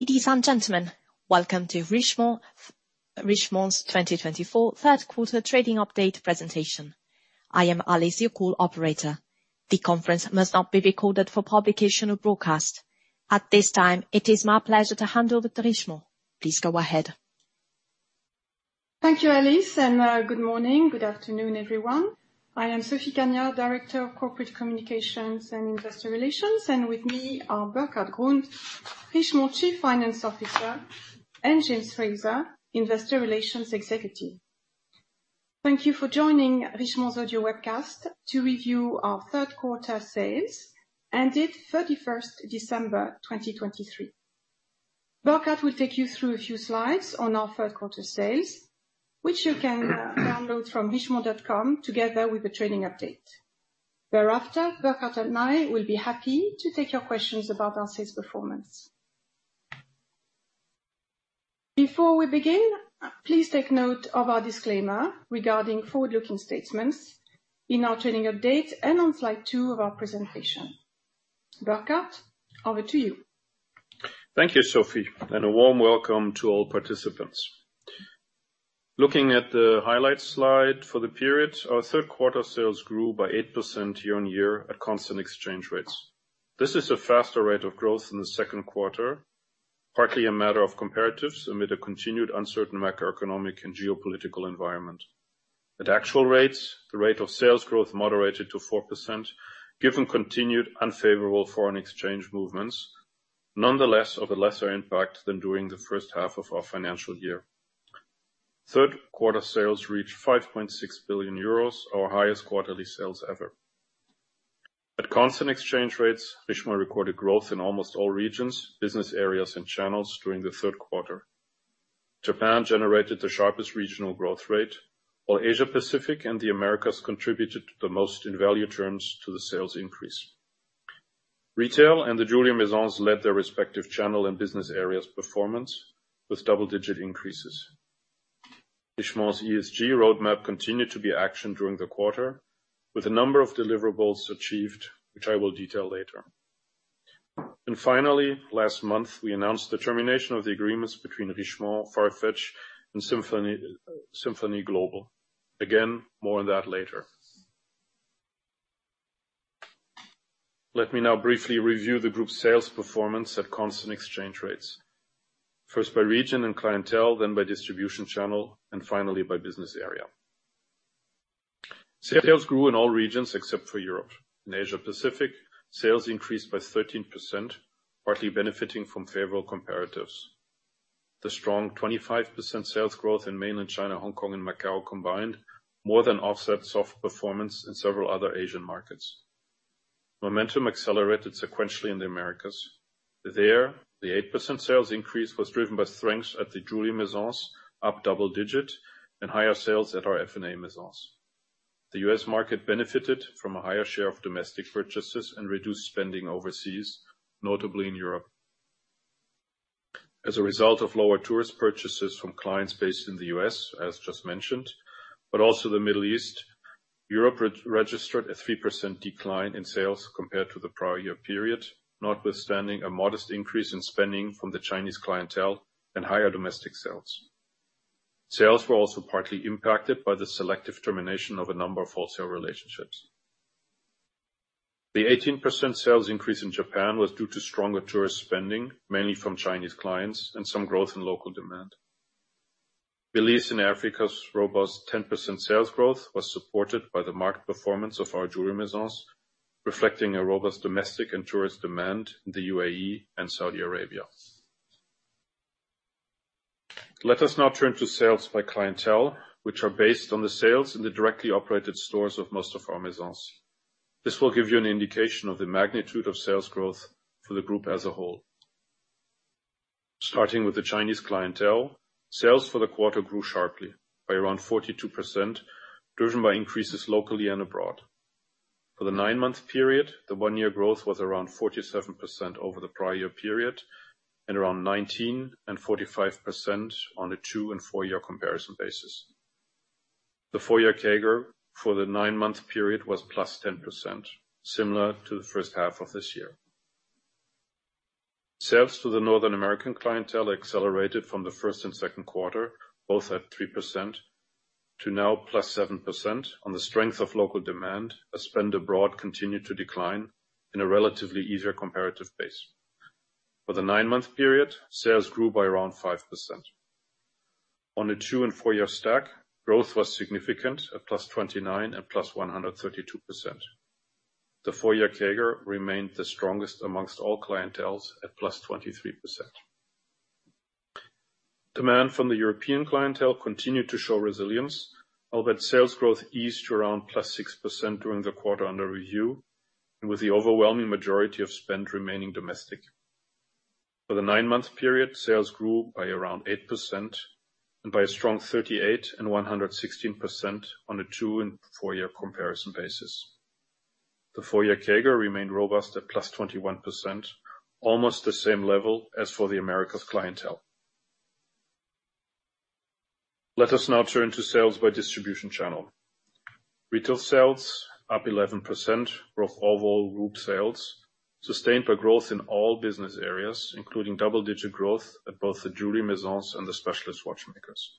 Ladies and gentlemen, welcome to Richemont, Richemont's 2024 Q3 trading update presentation. I am Alice, your call operator. The conference must not be recorded for publication or broadcast. At this time, it is my pleasure to handle the Richemont. Please go ahead. Thank you, Alice, and good morning. Good afternoon, everyone. I am Sophie Cagnard, Director of Corporate Communications and Investor Relations, and with me are Burkhart Grund, Richemont Chief Financial Officer, and James Fraser, Investor Relations Executive. Thank you for joining Richemont's audio webcast to review our Q3 sales, ended 31 December 2023. Burkhart will take you through a few slides on our Q3 sales, which you can download from richemont.com, together with the trading update. Thereafter, Burkhart and I will be happy to take your questions about our sales performance. Before we begin, please take note of our disclaimer regarding forward-looking statements in our trading update and on slide 2 of our presentation. Burkhart, over to you. Thank you, Sophie, and a warm welcome to all participants. Looking at the highlight slide for the period, our Q3 sales grew by 8% year-on-year at constant exchange rates. This is a faster rate of growth in the Q2, partly a matter of comparatives, amid a continued uncertain macroeconomic and geopolitical environment. At actual rates, the rate of sales growth moderated to 4%, given continued unfavorable foreign exchange movements, nonetheless, of a lesser impact than during the H1 of our financial year. Third quarter sales reached 5.6 billion euros, our highest quarterly sales ever. At constant exchange rates, Richemont recorded growth in almost all regions, business areas, and channels during the Q3. Japan generated the sharpest regional growth rate, while Asia Pacific and the Americas contributed the most in value terms to the sales increase. Retail and the Jewelry Maisons led their respective channel and business areas' performance with double-digit increases. Richemont's ESG roadmap continued to be actioned during the quarter, with a number of deliverables achieved, which I will detail later. Finally, last month, we announced the termination of the agreements between Richemont, Farfetch, and Symphony, Symphony Global. Again, more on that later. Let me now briefly review the group's sales performance at constant exchange rates. First by region and clientele, then by distribution channel, and finally by business area. Sales grew in all regions except for Europe and Asia Pacific. Sales increased by 13%, partly benefiting from favorable comparatives. The strong 25% sales growth in Mainland China, Hong Kong, and Macau combined, more than offset soft performance in several other Asian markets. Momentum accelerated sequentially in the Americas. There, the 8% sales increase was driven by strength at the Jewelry Maisons, up double-digit, and higher sales at our F&A Maisons. The U.S. market benefited from a higher share of domestic purchases and reduced spending overseas, notably in Europe. As a result of lower tourist purchases from clients based in the U.S., as just mentioned, but also the Middle East, Europe re-registered a 3% decline in sales compared to the prior year period, notwithstanding a modest increase in spending from the Chinese clientele and higher domestic sales. Sales were also partly impacted by the selective termination of a number of wholesale relationships. The 18% sales increase in Japan was due to stronger tourist spending, mainly from Chinese clients, and some growth in local demand. The Middle East and Africa's robust 10% sales growth was supported by the market performance of our jewelry Maisons, reflecting a robust domestic and tourist demand in the UAE and Saudi Arabia. Let us now turn to sales by clientele, which are based on the sales in the directly operated stores of most of our Maisons. This will give you an indication of the magnitude of sales growth for the group as a whole. Starting with the Chinese clientele, sales for the quarter grew sharply by around 42%, driven by increases locally and abroad. For the nine-month period, the one-year growth was around 47% over the prior period, and around 19% and 45% on a two- and four-year comparison basis. The four-year CAGR for the nine-month period was +10%, similar to the H1 of this year. Sales to the Northern American clientele accelerated from the first and Q2, both at 3% to now +7% on the strength of local demand, as spend abroad continued to decline in a relatively easier comparative base. For the nine-month period, sales grew by around 5%. On a two- and four-year stack, growth was significant at +29% and +132%. The four-year CAGR remained the strongest amongst all clienteles at +23%. Demand from the European clientele continued to show resilience, albeit sales growth eased to around +6% during the quarter under review, and with the overwhelming majority of spend remaining domestic. For the nine-month period, sales grew by around 8% and by a strong 38% and 116% on a two- and four-year comparison basis. The 4-year CAGR remained robust at +21%, almost the same level as for the Americas clientele. Let us now turn to sales by distribution channel. Retail sales up 11%, growth overall group sales, sustained by growth in all business areas, including double-digit growth at both the jewelry Maisons and the specialist watchmakers.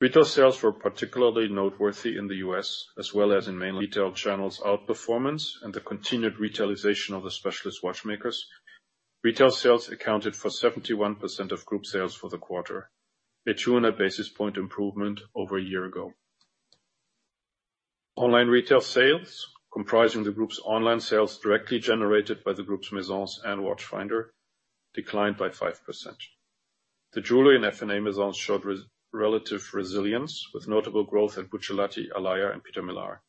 Retail sales were particularly noteworthy in the U.S., as well as in mainly retail channels, outperformance, and the continued retailization of the specialist watchmakers. Retail sales accounted for 71% of group sales for the quarter, a 200 basis point improvement over a year ago. Online retail sales, comprising the group's online sales directly generated by the group's Maisons and Watchfinder, declined by 5%. The jewelry and F&A Maisons showed relative resilience, with notable growth at Buccellati, Alaïa, and Peter Millar.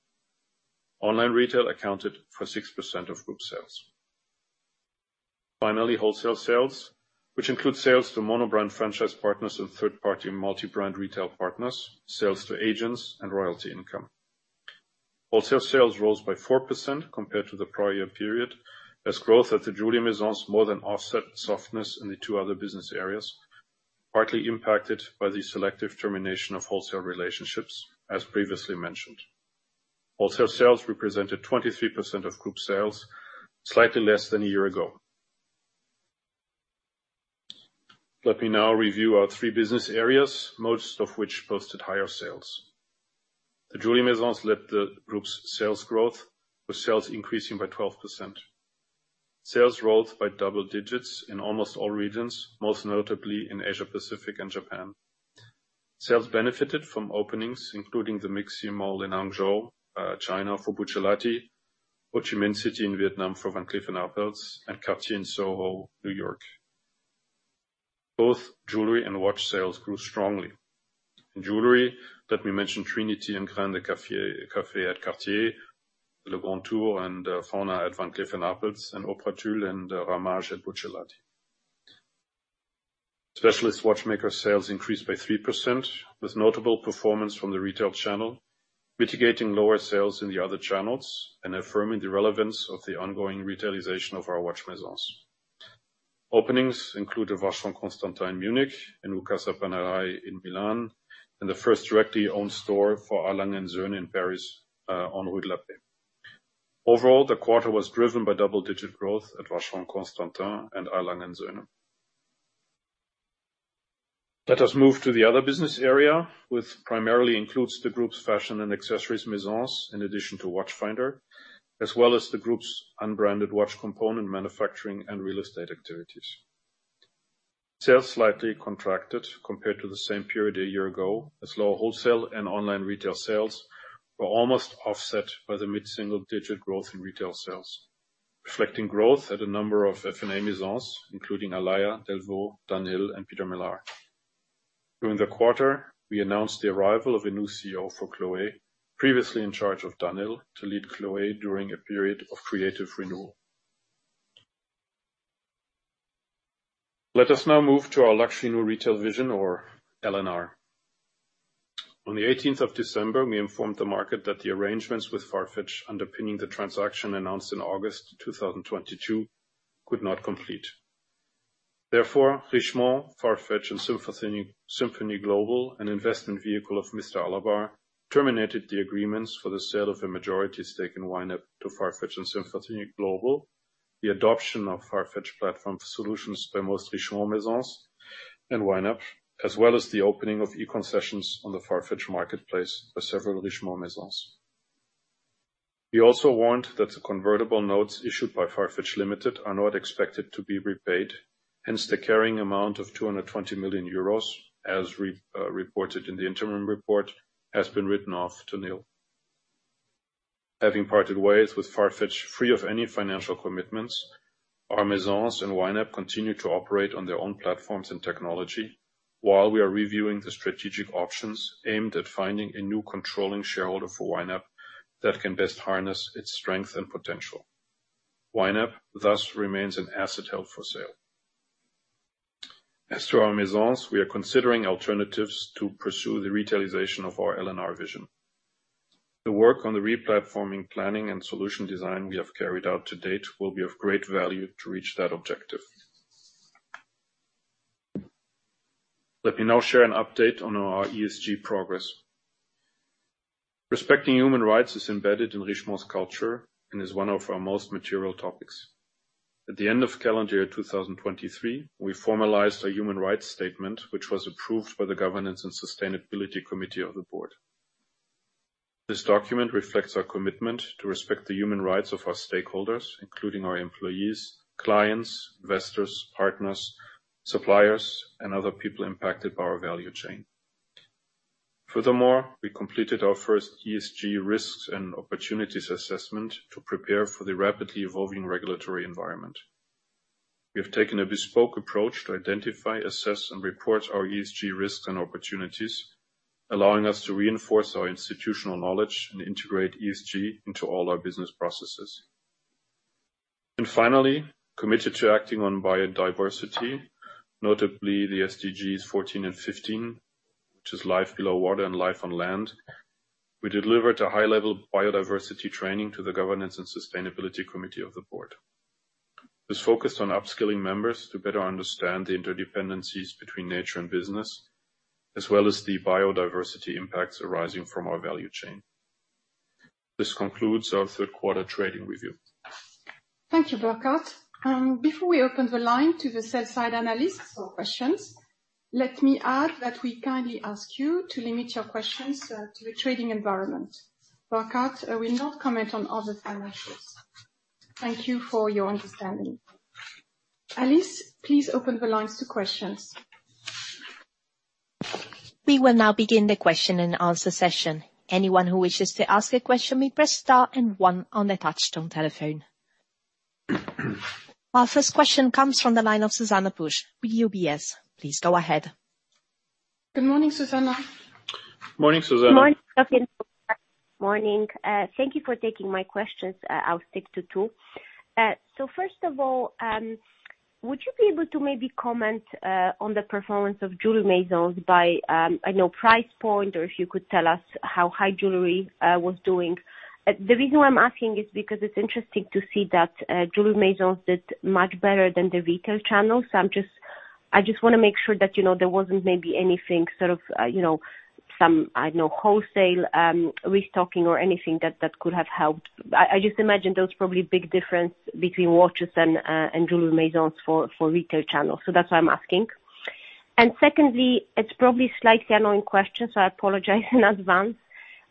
Online retail accounted for 6% of group sales. Finally, wholesale sales, which include sales to monobrand franchise partners and third-party multi-brand retail partners, sales to agents and royalty income. Wholesale sales rose by 4% compared to the prior year period, as growth at the jewelry Maisons more than offset softness in the two other business areas, partly impacted by the selective termination of wholesale relationships, as previously mentioned. Wholesale sales represented 23% of group sales, slightly less than a year ago. Let me now review our three business areas, most of which posted higher sales. The jewelry Maisons led the group's sales growth, with sales increasing by 12%. Sales rose by double digits in almost all regions, most notably in Asia, Pacific, and Japan. Sales benefited from openings, including the MixC mall in Hangzhou, China, for Buccellati, Ho Chi Minh City in Vietnam for Van Cleef & Arpels, and Cartier in Soho, New York. Both jewelry and watch sales grew strongly. In jewelry, let me mention Trinity and Grain Café, Café at Cartier, Le Grand Tour and Fauna at Van Cleef & Arpels, and Opera Tulle and Ramage at Buccellati. Specialist watchmaker sales increased by 3%, with notable performance from the retail channel, mitigating lower sales in the other channels and affirming the relevance of the ongoing retailization of our watch Maisons. Openings include the Vacheron Constantin, Munich, and Bucherer in Milan, and the first directly owned store for A. Lange & Söhne in Paris on Rue de la Paix. Overall, the quarter was driven by double-digit growth at Vacheron Constantin and A. Lange & Söhne. Let us move to the other business area, which primarily includes the group's fashion and accessories Maisons, in addition to Watchfinder, as well as the group's unbranded watch component manufacturing and real estate activities. Sales slightly contracted compared to the same period a year ago, as lower wholesale and online retail sales were almost offset by the mid-single-digit growth in retail sales, reflecting growth at a number of F&A Maisons, including Alaïa, Delvaux, Dunhill, and Peter Millar. During the quarter, we announced the arrival of a new CEO for Chloé, previously in charge of Dunhill, to lead Chloé during a period of creative renewal. Let us now move to our Luxury New Retail vision or LNR. On the eighteenth of December, we informed the market that the arrangements with Farfetch, underpinning the transaction announced in August 2022, could not complete. Therefore, Richemont, Farfetch, and Symphony, Symphony Global, an investment vehicle of Mr. Alabbar terminated the agreements for the sale of a majority stake in YNAP to Farfetch and Symphony Global, the adoption of Farfetch platform solutions by most Richemont Maisons and YNAP, as well as the opening of e-concessions on the Farfetch marketplace by several Richemont Maisons. We also warned that the convertible notes issued by Farfetch Limited are not expected to be repaid, hence the carrying amount of 220 million euros, as reported in the interim report, has been written off to nil. Having parted ways with Farfetch, free of any financial commitments, our Maisons and YNAP continue to operate on their own platforms and technology while we are reviewing the strategic options aimed at finding a new controlling shareholder for YNAP that can best harness its strength and potential. YNAP, thus, remains an asset held for sale. As to our Maisons, we are considering alternatives to pursue the Retailization of our LNR vision. The work on the replatforming, planning, and solution design we have carried out to date will be of great value to reach that objective. Let me now share an update on our ESG progress. Respecting human rights is embedded in Richemont's culture and is one of our most material topics. At the end of calendar year 2023, we formalized a human rights statement, which was approved by the Governance and Sustainability Committee of the board. This document reflects our commitment to respect the human rights of our stakeholders, including our employees, clients, investors, partners, suppliers, and other people impacted by our value chain. Furthermore, we completed our first ESG risks and opportunities assessment to prepare for the rapidly evolving regulatory environment. We have taken a bespoke approach to identify, assess, and report our ESG risks and opportunities, allowing us to reinforce our institutional knowledge and integrate ESG into all our business processes. And finally, committed to acting on biodiversity, notably the SDGs 14 and 15, which is life below water and life on land, we delivered a high-level biodiversity training to the Governance and Sustainability Committee of the board. It is focused on upskilling members to better understand the interdependencies between nature and business, as well as the biodiversity impacts arising from our value chain. This concludes our Q3 trading review. Thank you, Burkhart. Before we open the line to the sell-side analysts for questions, let me add that we kindly ask you to limit your questions to the trading environment. Burkhart will not comment on other finances. Thank you for your understanding. Alice, please open the lines to questions. We will now begin the question and answer session. Anyone who wishes to ask a question may press star and one on the touchtone telephone. Our first question comes from the line of Zuzanna Pusz with UBS. Please go ahead. Good morning, Zuzanna. Morning, Susanna. Morning, Burkhart. Morning. Thank you for taking my questions. I'll stick to two. So first of all, would you be able to maybe comment on the performance of jewelry Maisons by, I know, price point, or if you could tell us how high jewelry was doing? The reason why I'm asking is because it's interesting to see that jewelry Maisons did much better than the retail channel. So I'm just—I just want to make sure that, you know, there wasn't maybe anything sort of, you know, some, I don't know, wholesale restocking or anything that, that could have helped. I, I just imagine there was probably a big difference between watches and, and jewelry Maisons for, for retail channels. So that's why I'm asking. Secondly, it's probably a slightly annoying question, so I apologize in advance,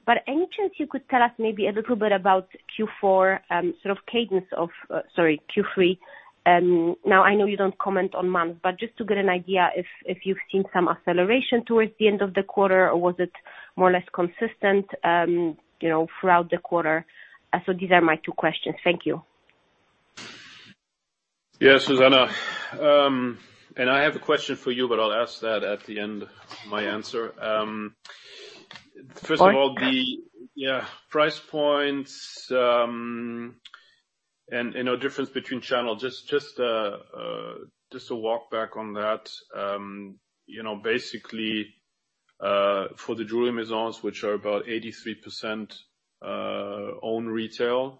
but any chance you could tell us maybe a little bit about Q4, sort of cadence of Q3. Now, I know you don't comment on months, but just to get an idea, if you've seen some acceleration towards the end of the quarter, or was it more or less consistent, you know, throughout the quarter? So these are my two questions. Thank you. Yeah, Zuzanna, and I have a question for you, but I'll ask that at the end of my answer. First of all- Fine. Yeah, price points, and, you know, difference between channels, just to walk back on that, you know, basically, for the jewelry Maisons, which are about 83%, own retail,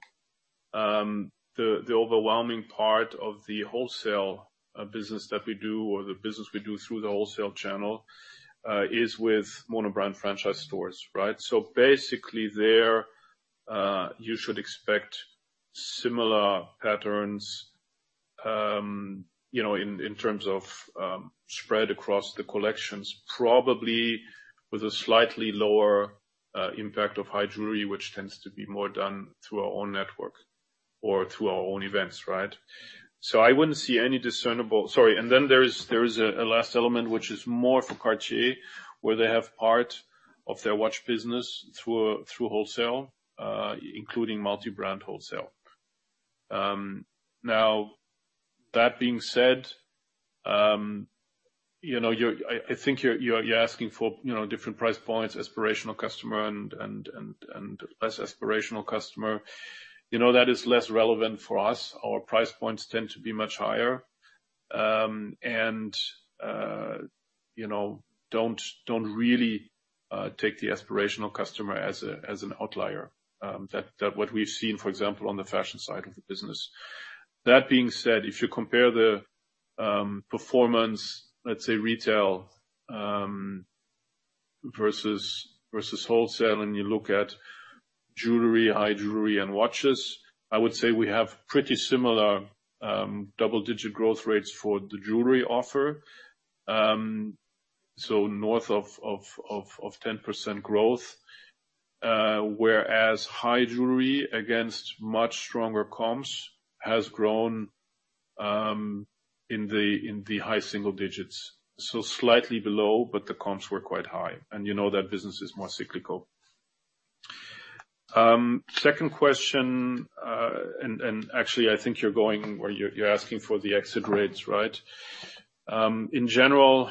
the overwhelming part of the wholesale business that we do, or the business we do through the wholesale channel, is with monobrand franchise stores, right? So basically there, you should expect similar patterns, you know, in terms of spread across the collections, probably with a slightly lower impact of high jewelry, which tends to be more done through our own network or through our own events, right? So I wouldn't see any discernible... Sorry, and then there is a last element, which is more for Cartier, where they have part of their watch business through wholesale, including multi-brand wholesale. Now, that being said, you know, I think you're asking for, you know, different price points, aspirational customer and less aspirational customer. You know, that is less relevant for us. Our price points tend to be much higher, and, you know, don't really take the aspirational customer as an outlier than what we've seen, for example, on the fashion side of the business. That being said, if you compare the performance, let's say, retail versus wholesale, and you look at jewelry, high jewelry and watches, I would say we have pretty similar double-digit growth rates for the jewelry offer. So north of 10% growth, whereas high jewelry, against much stronger comps, has grown in the high single digits, so slightly below, but the comps were quite high, and you know that business is more cyclical. Second question, actually, I think you're going, well, you're asking for the exit rates, right? In general,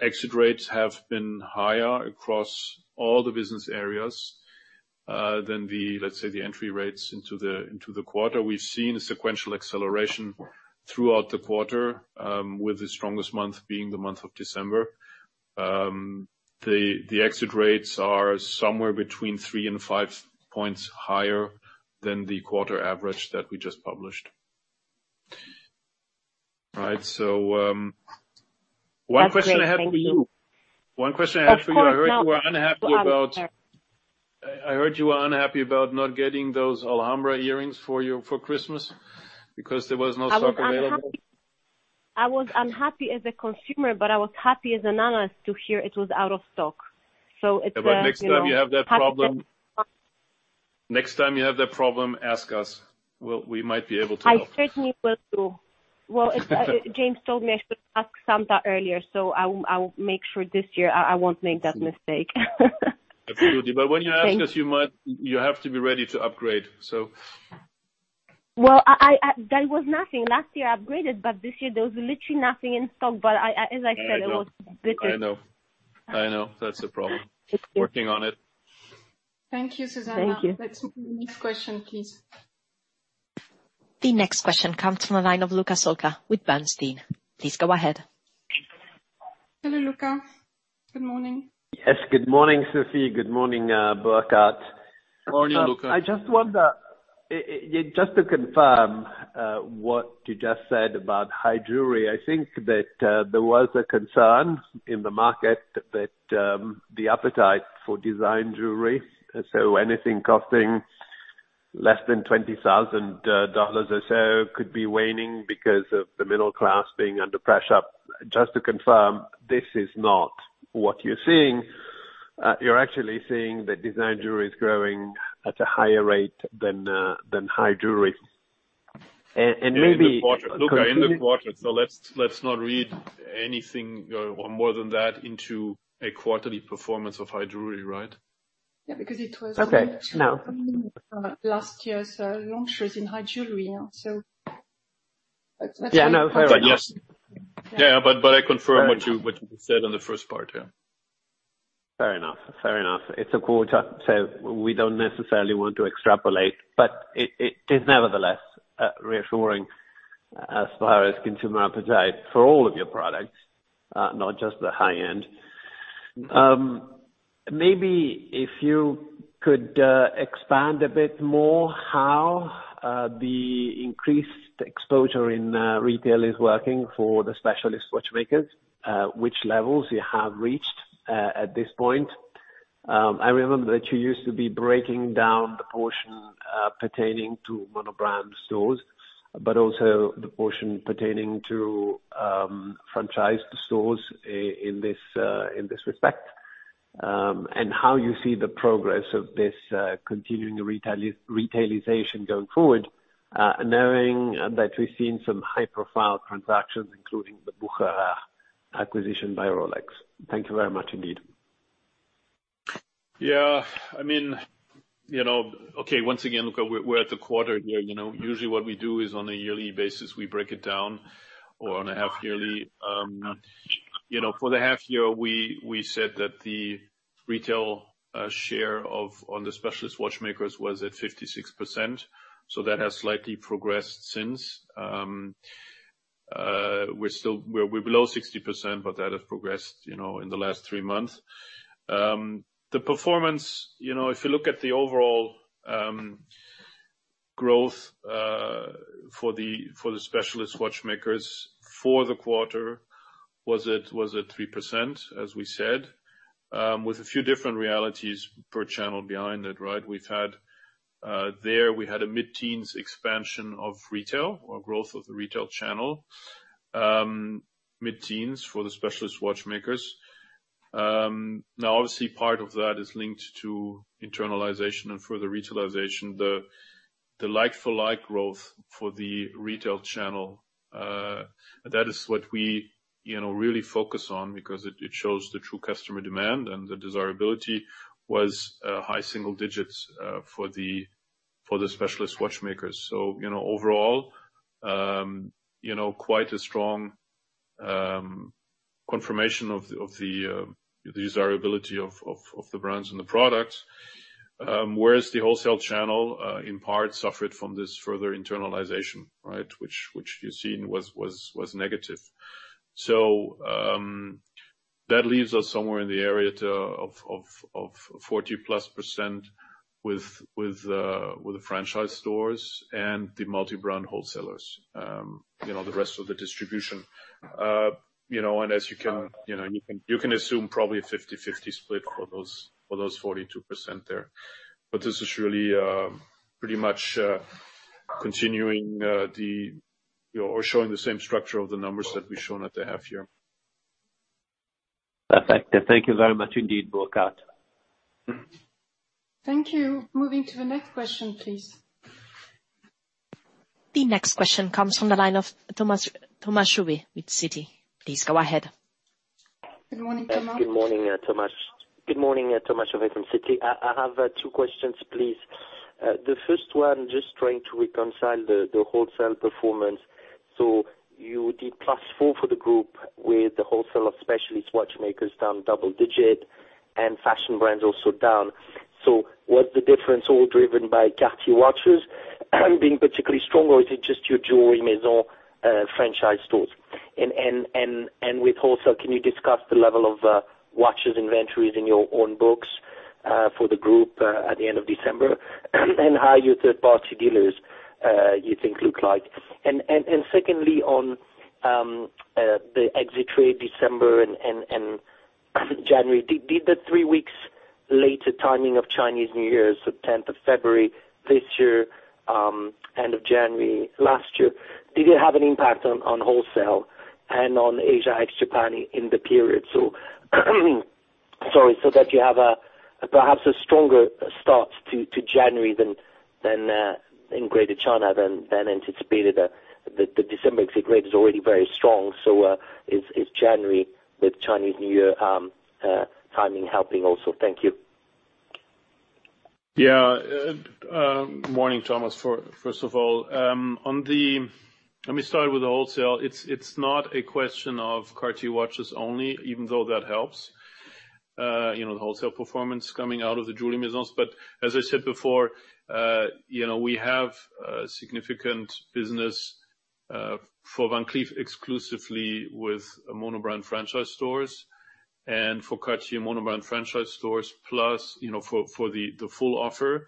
exit rates have been higher across all the business areas than the, let's say, the entry rates into the quarter. We've seen a sequential acceleration throughout the quarter, with the strongest month being the month of December. The exit rates are somewhere between 3 and 5 points higher than the quarter average that we just published. Right. So, one question I have for you- That's great. Thank you. One question I have for you. Of course. I heard you were unhappy about- I'm sorry. I heard you were unhappy about not getting those Alhambra earrings for Christmas because there was no stock available. I was unhappy, I was unhappy as a consumer, but I was happy as an analyst to hear it was out of stock. So it, you know, happy- Yeah, but next time you have that problem, next time you have that problem, ask us. We, we might be able to help. I certainly will do. Well, James told me I should ask Santa earlier, so I will, I will make sure this year I, I won't make that mistake. Absolutely. Thanks. When you ask us, you might... You have to be ready to upgrade, so. Well, there was nothing. Last year, I upgraded, but this year there was literally nothing in stock. But I, as I said, it was- I know. -pretty good. I know. I know. That's the problem. Thank you. Working on it. Thank you, Zuzanna. Thank you. Let's move to the next question, please. The next question comes from the line of Luca Solca with Bernstein. Please go ahead. Hello, Luca. Good morning. Yes, good morning, Sophie. Good morning, Burkhart. Morning, Luca. I just wonder, just to confirm, what you just said about high jewelry. I think that there was a concern in the market that the appetite for design jewelry, so anything costing less than $20,000 or so, could be waning because of the middle class being under pressure. Just to confirm, this is not what you're seeing. You're actually seeing that design jewelry is growing at a higher rate than high jewelry. And, and maybe- In the quarter, Luca, in the quarter, so let's, let's not read anything, or more than that into a quarterly performance of high jewelry, right? Yeah, because it was- Okay, no. Last year's launches in high jewelry, yeah, so. Yeah, no, fair enough. Yes. Yeah, but I confirm what you said on the first part, yeah. Fair enough. Fair enough. It's a quarter, so we don't necessarily want to extrapolate, but it, it is nevertheless reassuring as far as consumer appetite for all of your products, not just the high end. Maybe if you could expand a bit more how the increased exposure in retail is working for the specialist watchmakers, which levels you have reached at this point. I remember that you used to be breaking down the portion pertaining to monobrand stores, but also the portion pertaining to franchised stores in this respect. And how you see the progress of this continuing retailization going forward, knowing that we've seen some high-profile transactions, including the Bucherer acquisition by Rolex. Thank you very much indeed. Yeah, I mean, you know, okay, once again, Luca, we're, we're at the quarter here, you know. Usually what we do is on a yearly basis, we break it down or on a half yearly. You know, for the half year, we, we said that the retail share of on the specialist watchmakers was at 56%, so that has slightly progressed since. We're still, we're, we're below 60%, but that has progressed, you know, in the last three months. The performance, you know, if you look at the overall growth for the specialist watchmakers for the quarter, was at 3%, as we said, with a few different realities per channel behind it, right? We've had a mid-teens expansion of retail or growth of the retail channel, mid-teens for the specialist watchmakers. Now, obviously, part of that is linked to internalization and further retailization. The like-for-like growth for the retail channel, that is what we, you know, really focus on because it, it shows the true customer demand and the desirability was high single digits for the specialist watchmakers. So, you know, overall, you know, quite a strong confirmation of the desirability of the brands and the products. Whereas the wholesale channel, in part suffered from this further internalization, right? Which you've seen was negative. So, that leaves us somewhere in the area of 40+% with the franchise stores and the multi-brand wholesalers, you know, the rest of the distribution. You know, and as you can assume probably a 50/50 split for those 42% there. But this is really pretty much continuing or showing the same structure of the numbers that we've shown at the half year. Perfect. Thank you very much indeed, Burkhart. Thank you. Moving to the next question, please. The next question comes from the line of Thomas, Thomas Chauvet with Citi. Please go ahead. Good morning, Thomas. Good morning, Thomas. Good morning, Thomas Chauvet from Citi. I have two questions, please. The first one, just trying to reconcile the wholesale performance. So you did +4% for the group with the wholesale of specialist watchmakers down double-digit and fashion brands also down. So was the difference all driven by Cartier watches, being particularly strong, or is it just your jewelry maison franchise stores? And with wholesale, can you discuss the level of watches inventories in your own books for the group at the end of December, and how your third-party dealers you think look like? Secondly, on the exit trade, December and January, did the three weeks later timing of Chinese New Year, so tenth of February this year, end of January last year, did it have an impact on wholesale and on Asia ex-Japan in the period? So, sorry, so that you have a perhaps a stronger start to January than in Greater China than anticipated. The December exit rate is already very strong, so is January with Chinese New Year timing helping also? Thank you. Yeah. Morning, Thomas. First of all, on the... Let me start with the wholesale. It's not a question of Cartier watches only, even though that helps, you know, the wholesale performance coming out of the jewelry maisons. But as I said before, you know, we have a significant business for Van Cleef exclusively with monobrand franchise stores, and for Cartier monobrand franchise stores, plus, you know, for the full offer.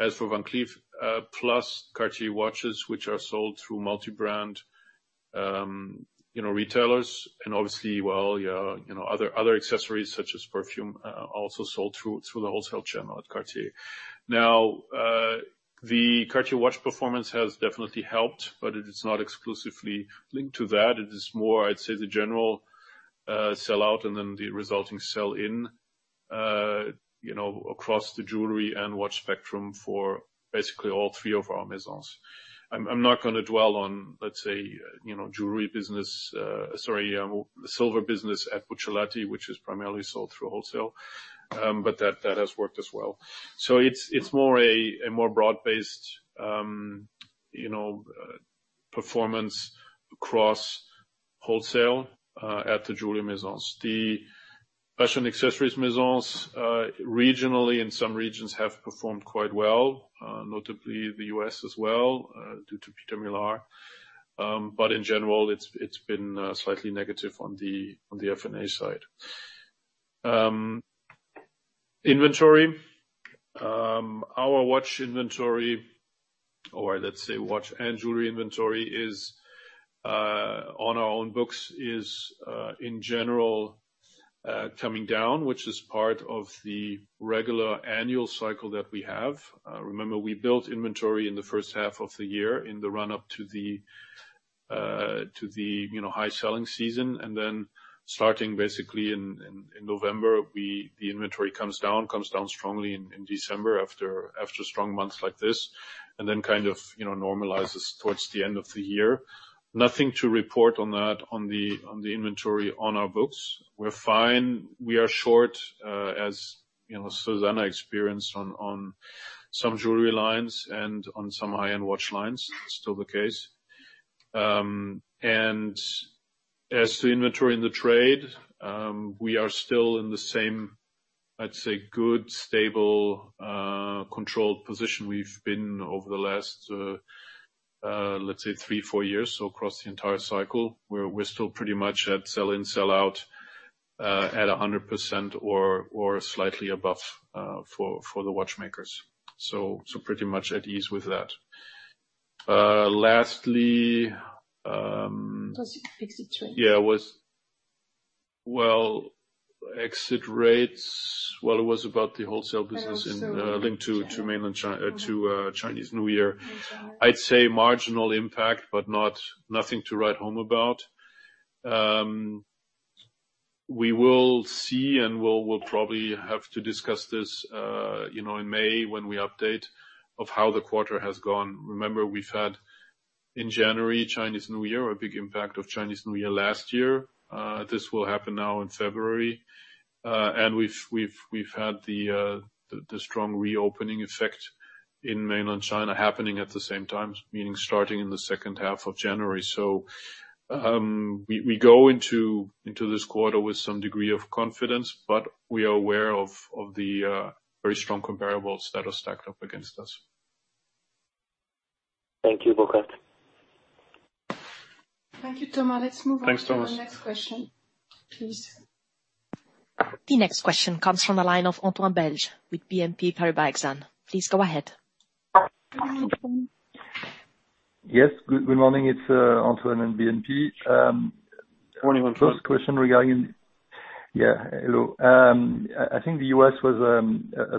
As for Van Cleef, plus Cartier watches, which are sold through multi-brand, you know, retailers and obviously, well, you know, other accessories such as perfume, also sold through the wholesale channel at Cartier. Now, the Cartier watch performance has definitely helped, but it is not exclusively linked to that. It is more, I'd say, the general sell out and then the resulting sell-in, you know, across the jewelry and watch spectrum for basically all three of our maisons. I'm not going to dwell on, let's say, you know, jewelry business, sorry, the silver business at Buccellati, which is primarily sold through wholesale, but that has worked as well. So it's more a more broad-based, you know, performance across wholesale at the jewelry maisons. The fashion accessories maisons, regionally in some regions, have performed quite well, notably the U.S. as well, due to Peter Millar. But in general, it's been slightly negative on the FNA side. Inventory. Our watch inventory, or let's say, watch and jewelry inventory, is on our own books, is in general coming down, which is part of the regular annual cycle that we have. Remember, we built inventory in the H1 of the year, in the run-up to the, you know, high selling season, and then starting basically in November, the inventory comes down strongly in December after strong months like this, and then kind of, you know, normalizes towards the end of the year. Nothing to report on that, on the inventory on our books. We're fine. We are short, as you know, Zuzanna experienced on some jewelry lines and on some high-end watch lines. Still the case. And as to inventory in the trade, we are still in the same, I'd say, good, stable, controlled position we've been over the last, let's say 3, 4 years. So across the entire cycle, we're still pretty much at sell-in, sell-out, at 100% or slightly above, for the watchmakers. So pretty much at ease with that. Lastly, Exit trade. Yeah, well, exit rates, well, it was about the wholesale business- And also- Linked to Mainland China, to Chinese New Year. I'd say marginal impact, but not nothing to write home about. We will see, and we'll probably have to discuss this, you know, in May, when we update, of how the quarter has gone. Remember, we've had in January, Chinese New Year, a big impact of Chinese New Year last year. This will happen now in February. And we've had the strong reopening effect in Mainland China happening at the same time, meaning starting in the H2 of January. So, we go into this quarter with some degree of confidence, but we are aware of the very strong comparables that are stacked up against us. Thank you, Burkhart. Thank you, Thomas. Let's move on- Thanks, Thomas. To the next question, please. The next question comes from the line of Antoine Belge with BNP Paribas Exane. Please go ahead. Yes, good, good morning. It's Antoine in BNP. Morning, Antoine. Yeah, hello. I think the U.S. was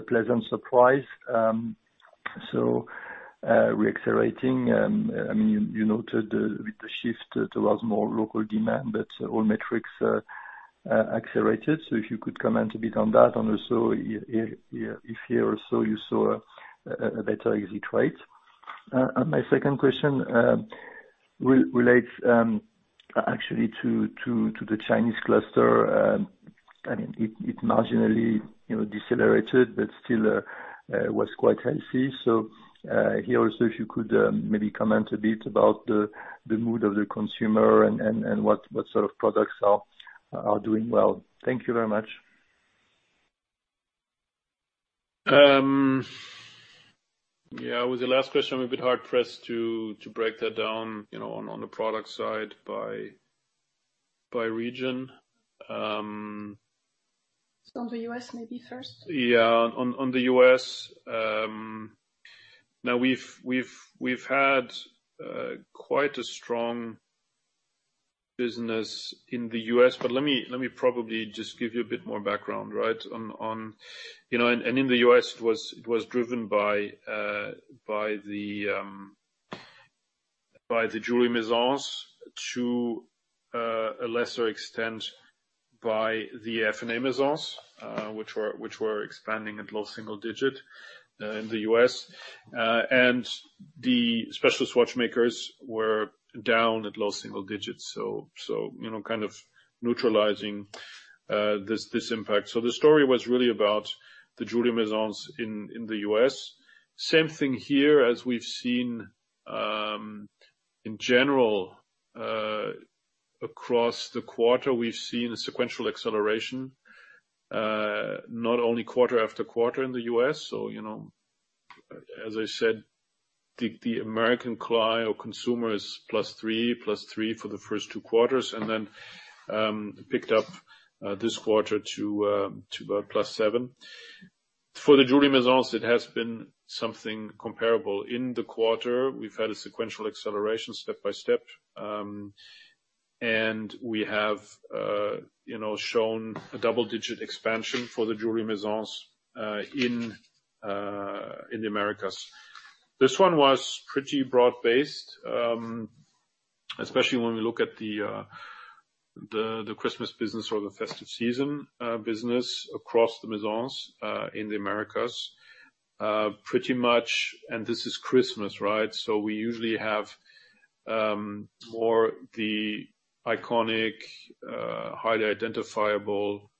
a pleasant surprise. So, reaccelerating, I mean, you noted the with the shift towards more local demand, but all metrics accelerated. So if you could comment a bit on that and also if here also you saw a better exit rate. And my second question relates actually to the Chinese cluster. I mean, it marginally, you know, decelerated, but still was quite healthy. So here also, if you could maybe comment a bit about the mood of the consumer and what sort of products are doing well. Thank you very much. Yeah, with the last question, I'm a bit hard pressed to break that down, you know, on the product side by region. On the U.S. maybe first. Yeah, on the U.S., now we've had quite a strong business in the U.S., but let me probably just give you a bit more background, right? On... You know, and in the U.S., it was driven by the jewelry maisons, to a lesser extent, by the FNA maisons, which were expanding at low single digit in the U.S. And the specialist watchmakers were down at low single digits, so you know, kind of neutralizing this impact. So the story was really about the jewelry maisons in the U.S. Same thing here, as we've seen, in general across the quarter, we've seen a sequential acceleration, not only quarter after quarter in the U.S. So, you know, as I said, the American client or consumer is +3%, +3% for the first two quarters, and then picked up this quarter to about +7%. For the jewelry Maisons, it has been something comparable. In the quarter, we've had a sequential acceleration step by step, and we have, you know, shown a double-digit expansion for the jewelry Maisons in the Americas. This one was pretty broad-based, especially when we look at the Christmas business or the festive season business across the Maisons in the Americas. Pretty much, and this is Christmas, right? So we usually have more the iconic highly identifiable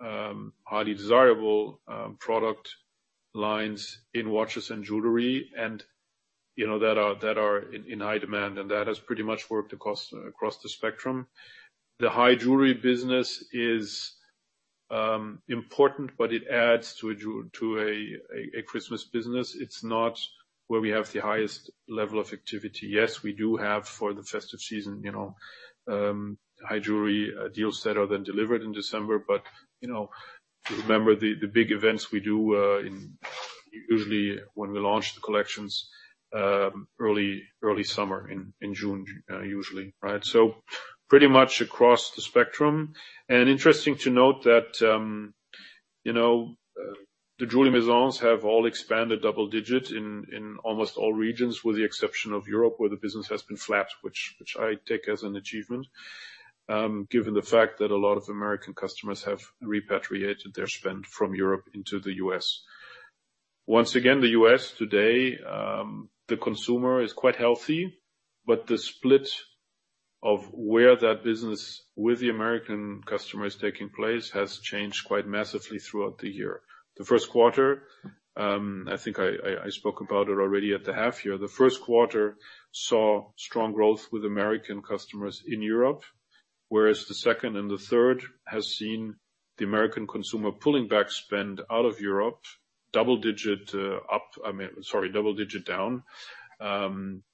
highly desirable product lines in watches and jewelry and, you know, that are, that are in, in high demand, and that has pretty much worked across the spectrum. The high jewelry business is important, but it adds to a Christmas business. It's not where we have the highest level of activity. Yes, we do have, for the festive season, you know, high jewelry deals that are then delivered in December, but, you know, remember the big events we do in usually when we launch the collections early summer in June usually, right? So pretty much across the spectrum. Interesting to note that, you know, the jewelry Maisons have all expanded double-digit in almost all regions, with the exception of Europe, where the business has been flat, which I take as an achievement, given the fact that a lot of American customers have repatriated their spend from Europe into the US. Once again, the US today, the consumer is quite healthy, but the split of where that business with the American customer is taking place has changed quite massively throughout the year. The Q1, I think I spoke about it already at the half year. The Q1 saw strong growth with American customers in Europe, whereas the second and the third has seen the American consumer pulling back spend out of Europe, double-digit, up... I mean, sorry, double-digit down,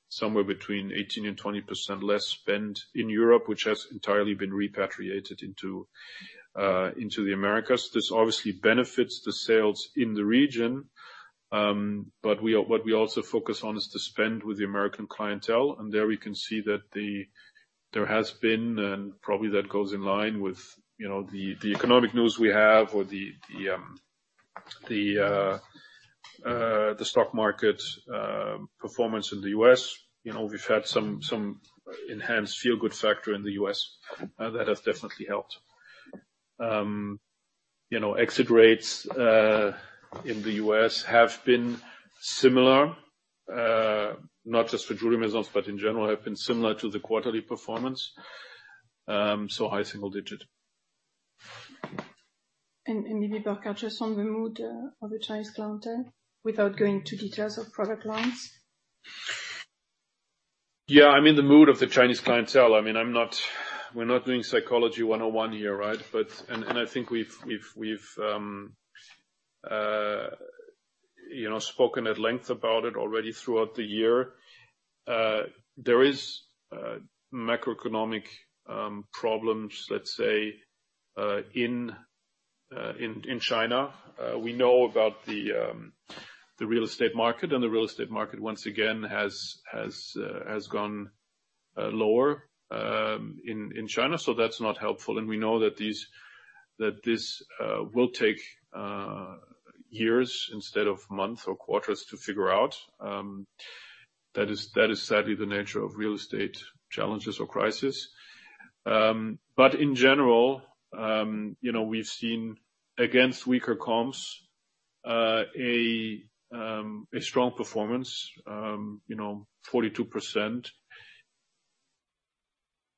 somewhere between 18%-20% less spend in Europe, which has entirely been repatriated into the Americas. This obviously benefits the sales in the region, but what we also focus on is the spend with the American clientele, and there we can see that there has been, and probably that goes in line with, you know, the economic news we have or the stock market performance in the U.S. You know, we've had some enhanced feel-good factor in the U.S. that has definitely helped. You know, exit rates in the U.S. have been similar, not just for jewelry Maisons, but in general, have been similar to the quarterly performance, so high single digit. And maybe, Burkhart, just on the mood of the Chinese clientele, without going into details of product lines? Yeah, I mean, the mood of the Chinese clientele, I mean, I'm not- we're not doing Psychology 101 here, right? But I think we've you know, spoken at length about it already throughout the year. There is macroeconomic problems, let's say, in China. We know about the real estate market, and the real estate market, once again, has gone lower in China, so that's not helpful. And we know that this will take years instead of months or quarters to figure out. That is sadly the nature of real estate challenges or crisis. But in general, you know, we've seen, again, weaker comps, a strong performance, you know, 42%.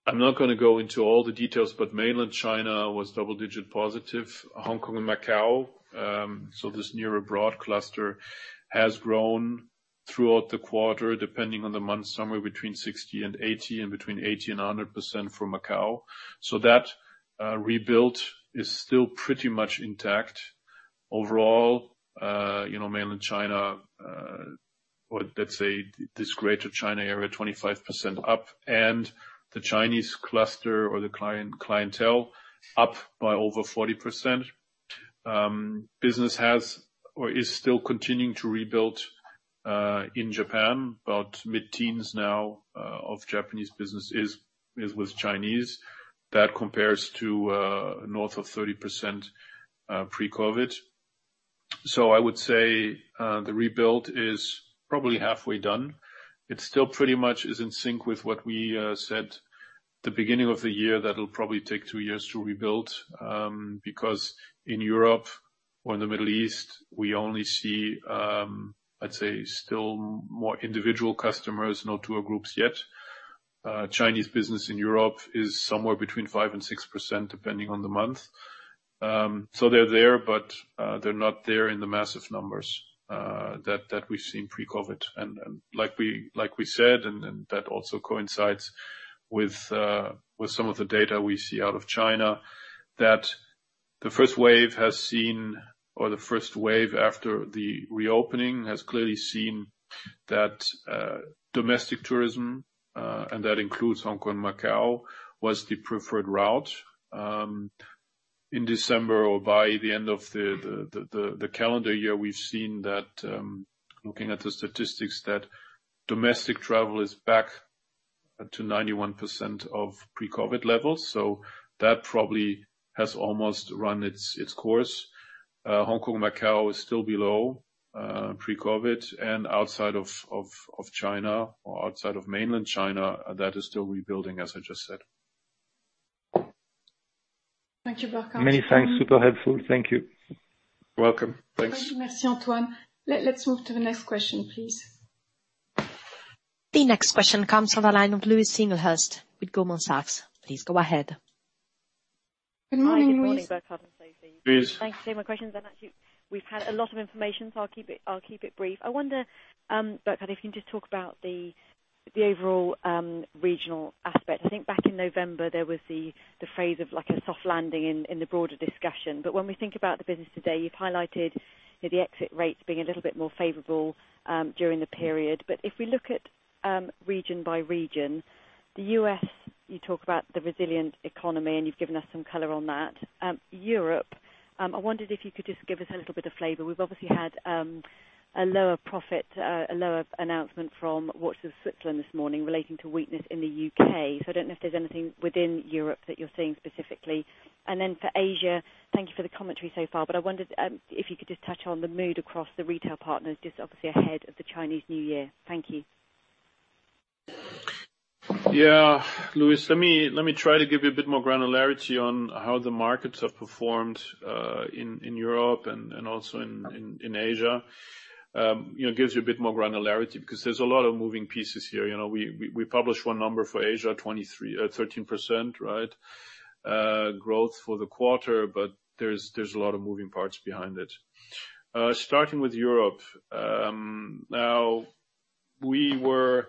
I'm not gonna go into all the details, but Mainland China was double-digit positive. Hong Kong and Macau, so this near abroad cluster, has grown throughout the quarter, depending on the month, somewhere between 60 and 80, and between 80 and 100% for Macau. So that, rebuilt is still pretty much intact. Overall, you know, Mainland China, or let's say, this Greater China area, 25% up, and the Chinese cluster or the client clientele up by over 40%. Business has or is still continuing to rebuild, in Japan, about mid-teens now, of Japanese business is, is with Chinese. That compares to, north of 30%, pre-COVID. So I would say, the rebuild is probably halfway done. It still pretty much is in sync with what we said at the beginning of the year, that it'll probably take two years to rebuild, because in Europe or in the Middle East, we only see, I'd say, still more individual customers, no tour groups yet. Chinese business in Europe is somewhere between 5% and 6%, depending on the month. So they're there, but they're not there in the massive numbers that we've seen pre-COVID. Like we said, and that also coincides with some of the data we see out of China, that the first wave after the reopening has clearly seen that domestic tourism, and that includes Hong Kong, Macau, was the preferred route. In December or by the end of the calendar year, we've seen that, looking at the statistics, that domestic travel is back to 91% of pre-COVID levels, so that probably has almost run its course. Hong Kong, Macau is still below pre-COVID, and outside of China or outside of Mainland China, that is still rebuilding, as I just said. Thank you, Burkhart. Many thanks. Super helpful. Thank you. Welcome. Thanks. Merci, Antoine. Let's move to the next question, please. The next question comes from the line of Louise Singlehurst with Goldman Sachs. Please go ahead. Good morning, Louise. Louise. Thanks. My questions, and actually, we've had a lot of information, so I'll keep it, I'll keep it brief. I wonder, Burkhart, if you can just talk about the overall regional aspect. I think back in November, there was the phrase of like a soft landing in the broader discussion. But when we think about the business today, you've highlighted the exit rates being a little bit more favorable during the period. But if we look at region by region, the U.S., you talk about the resilient economy, and you've given us some color on that. Europe, I wondered if you could just give us a little bit of flavor. We've obviously had a lower profit, a lower announcement from Watches of Switzerland this morning relating to weakness in the U.K. I don't know if there's anything within Europe that you're seeing specifically. Then for Asia, thank you for the commentary so far, but I wondered if you could just touch on the mood across the retail partners, just obviously ahead of the Chinese New Year. Thank you. Yeah, Louise, let me try to give you a bit more granularity on how the markets have performed in Europe and also in Asia. You know, it gives you a bit more granularity because there's a lot of moving pieces here. You know, we published one number for Asia, 23, 13%, right? Growth for the quarter, but there's a lot of moving parts behind it. Starting with Europe, now we were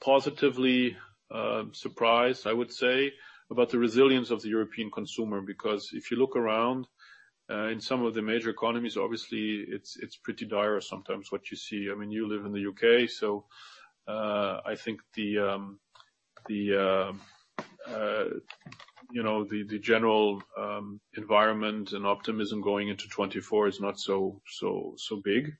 positively surprised, I would say, about the resilience of the European consumer, because if you look around in some of the major economies, obviously, it's pretty dire sometimes what you see. I mean, you live in the UK, so I think the, you know, the general environment and optimism going into 2024 is not so, so, so big.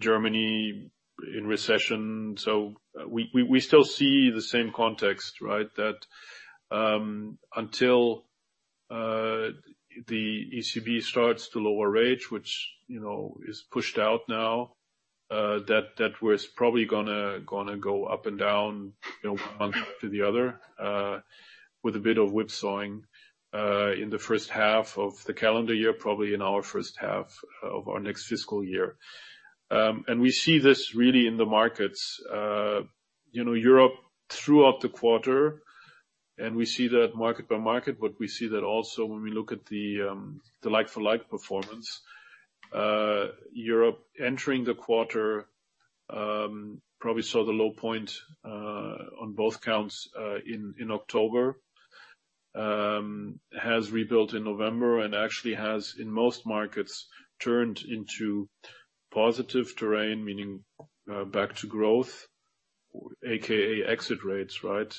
Germany in recession, so we still see the same context, right? That until the ECB starts to lower rates, which, you know, is pushed out now, that that was probably gonna go up and down, you know, one month to the other, with a bit of whipsawing in the H1 of the calendar year, probably in our H1 of our next fiscal year. And we see this really in the markets, you know, Europe throughout the quarter, and we see that market by market, but we see that also when we look at the like-for-like performance. Europe, entering the quarter, probably saw the low point on both counts in October, has rebuilt in November and actually has, in most markets, turned into positive terrain, meaning back to growth, AKA exit rates, right?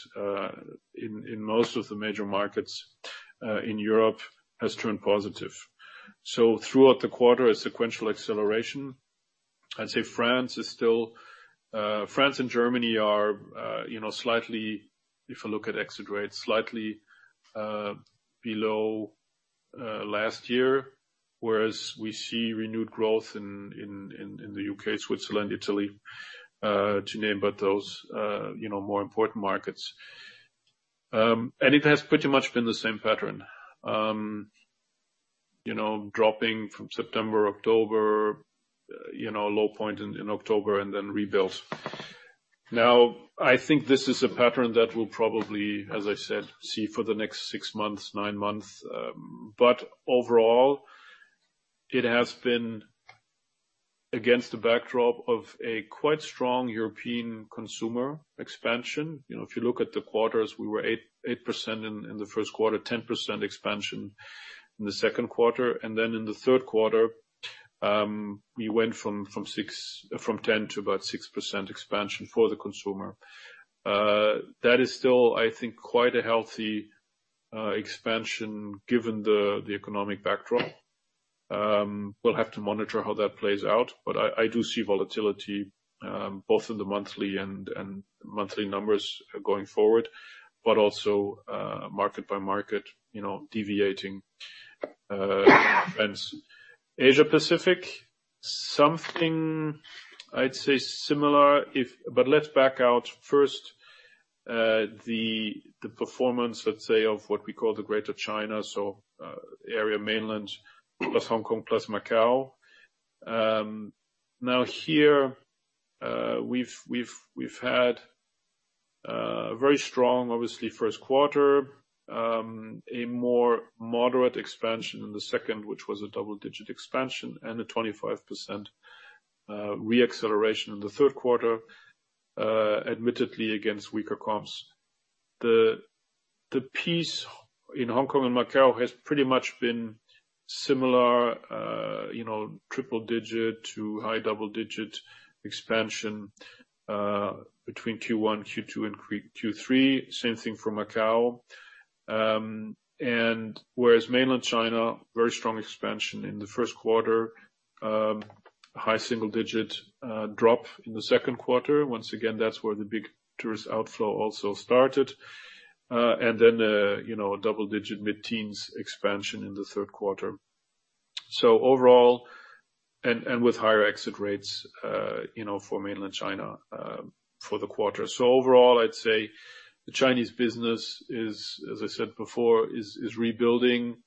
In most of the major markets in Europe, has turned positive. So throughout the quarter, a sequential acceleration. I'd say France is still France and Germany are, you know, slightly, if you look at exit rates, slightly below last year, whereas we see renewed growth in the UK, Switzerland, Italy, to name but those, you know, more important markets. And it has pretty much been the same pattern. You know, dropping from September, October, you know, low point in October and then rebuilt. Now, I think this is a pattern that we'll probably, as I said, see for the next six months, nine months, but overall, it has been against the backdrop of a quite strong European consumer expansion. You know, if you look at the quarters, we were 8.8% in the Q1, 10% expansion in the Q2, and then in the Q3, we went from 10 to about 6% expansion for the consumer. That is still, I think, quite a healthy expansion, given the economic backdrop. We'll have to monitor how that plays out, but I do see volatility both in the monthly and monthly numbers going forward, but also, market by market, you know, deviating events. Asia Pacific, something I'd say similar if... But let's back out first the performance, let's say, of what we call the Greater China, so area Mainland, plus Hong Kong, plus Macau. Now here we've had a very strong, obviously, Q1, a more moderate expansion in the second, which was a double-digit expansion, and a 25% re-acceleration in the Q3, admittedly, against weaker comps. The picture in Hong Kong and Macau has pretty much been similar, you know, triple-digit to high double-digit expansion between Q1, Q2, and Q3. Same thing for Macau. And whereas Mainland China, very strong expansion in the Q1, high single-digit drop in the Q2. Once again, that's where the big tourist outflow also started. And then, you know, a double-digit mid-teens expansion in the Q3. So overall, with higher exit rates, you know, for Mainland China, for the quarter. So overall, I'd say the Chinese business is, as I said before, rebuilding.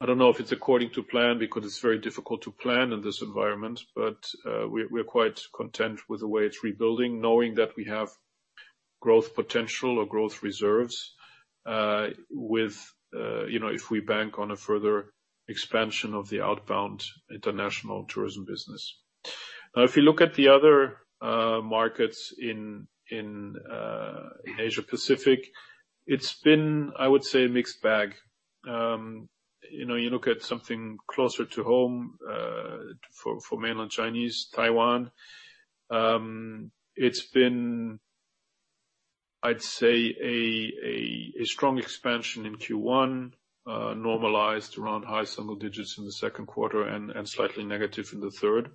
I don't know if it's according to plan, because it's very difficult to plan in this environment, but we're quite content with the way it's rebuilding, knowing that we have growth potential or growth reserves, you know, if we bank on a further expansion of the outbound international tourism business. Now, if you look at the other markets in Asia Pacific, it's been, I would say, a mixed bag. You know, you look at something closer to home, for mainland Chinese, Taiwan. It's been, I'd say, a strong expansion in Q1, normalized around high single digits in the Q2 and slightly negative in the third.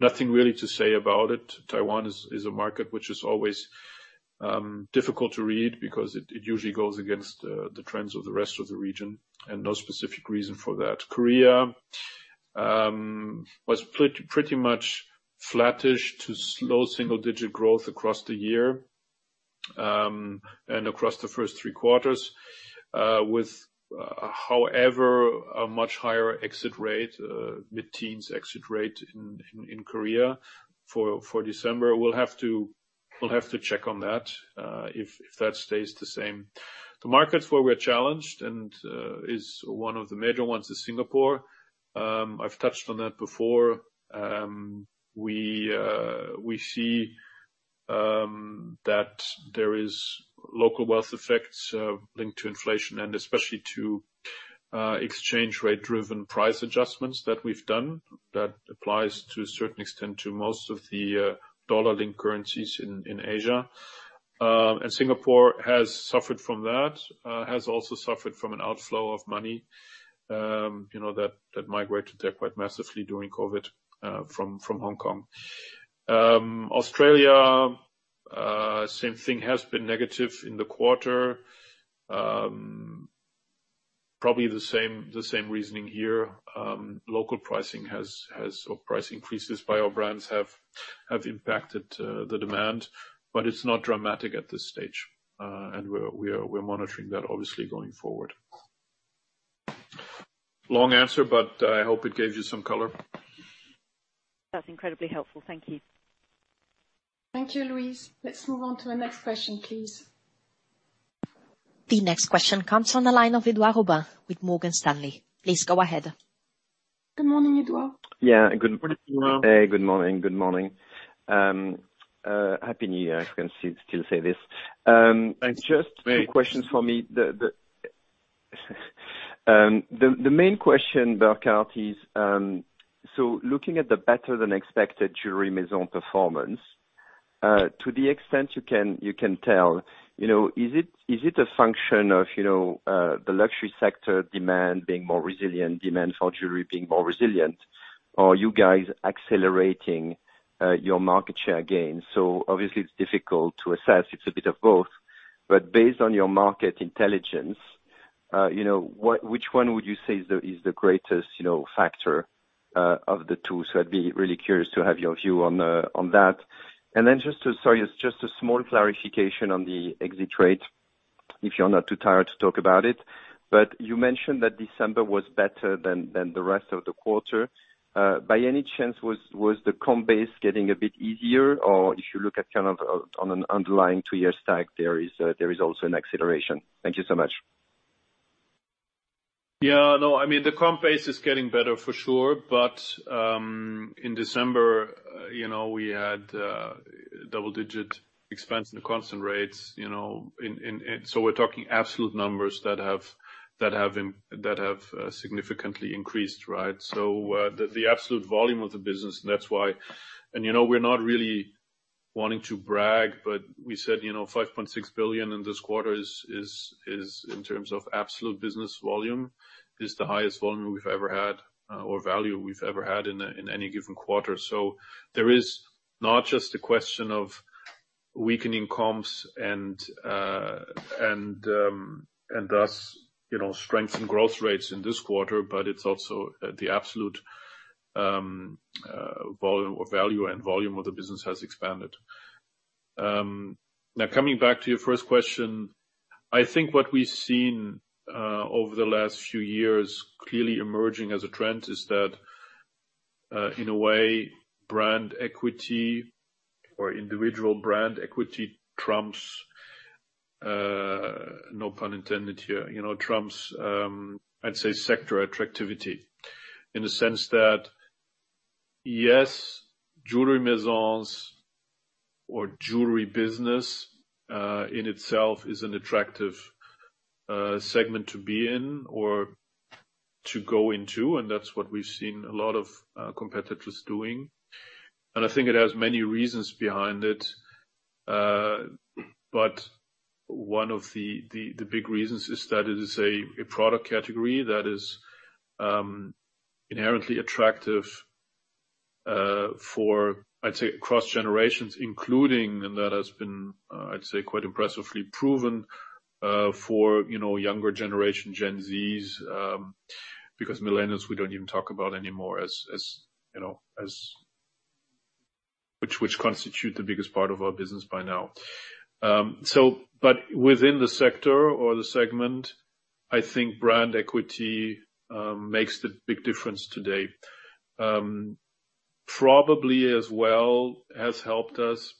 Nothing really to say about it. Taiwan is a market which is always difficult to read because it usually goes against the trends of the rest of the region, and no specific reason for that. Korea was pretty much flattish to slow single-digit growth across the year, and across the first three quarters, with, however, a much higher exit rate, mid-teens exit rate in Korea for December. We'll have to check on that, if that stays the same. The markets where we're challenged, and is one of the major ones, is Singapore. I've touched on that before. We see that there is local wealth effects linked to inflation and especially to exchange rate-driven price adjustments that we've done. That applies to a certain extent to most of the dollar-linked currencies in Asia. And Singapore has suffered from that. Has also suffered from an outflow of money, you know, that migrated there quite massively during COVID from Hong Kong. Australia, same thing, has been negative in the quarter. Probably the same reasoning here. Local pricing has, or price increases by our brands have impacted the demand, but it's not dramatic at this stage. And we're monitoring that, obviously, going forward. Long answer, but I hope it gave you some color. That's incredibly helpful. Thank you. Thank you, Louise. Let's move on to the next question, please. The next question comes from the line of Edouard Aubin with Morgan Stanley. Please go ahead. Good morning, Edouard. Yeah, good- Good morning. Hey, good morning, good morning. Happy New Year, if I can still say this. Thanks, very. Just two questions for me. The main question, Burkhart, is so looking at the better-than-expected Jewelry Maison performance, to the extent you can tell, you know, is it a function of, you know, the luxury sector demand being more resilient, demand for jewelry being more resilient, or you guys accelerating your market share gains? So obviously, it's difficult to assess. It's a bit of both. But based on your market intelligence, you know, which one would you say is the greatest factor of the two? So I'd be really curious to have your view on that. And then sorry, just a small clarification on the exit rate, if you're not too tired to talk about it. You mentioned that December was better than the rest of the quarter. By any chance, was the comp base getting a bit easier? Or if you look at kind of on an underlying two-year stack, there is also an acceleration. Thank you so much. Yeah. No, I mean, the comp base is getting better for sure, but in December, you know, we had double-digit expansion in the constant rates, you know. So we're talking absolute numbers that have significantly increased, right? So, the absolute volume of the business, and that's why. And you know, we're not really wanting to brag, but we said, you know, 5.6 billion in this quarter is, in terms of absolute business volume, the highest volume we've ever had, or value we've ever had in any given quarter. So there is not just a question of weakening comps and thus, you know, strength and growth rates in this quarter, but it's also the absolute volume or value and volume of the business has expanded. Now coming back to your first question, I think what we've seen over the last few years, clearly emerging as a trend, is that in a way, brand equity or individual brand equity trumps, no pun intended here, you know, trumps, I'd say, sector attractivity. In the sense that, yes, jewelry maisons or jewelry business in itself is an attractive segment to be in or to go into, and that's what we've seen a lot of competitors doing. And I think it has many reasons behind it. But one of the big reasons is that it is a product category that is inherently attractive, for I'd say, across generations, including, and that has been, I'd say, quite impressively proven, for you know, younger generation, Gen Zs, because millennials, we don't even talk about anymore, as you know, as... which constitute the biggest part of our business by now. So but within the sector or the segment, I think brand equity makes the big difference today. Probably as well, has helped us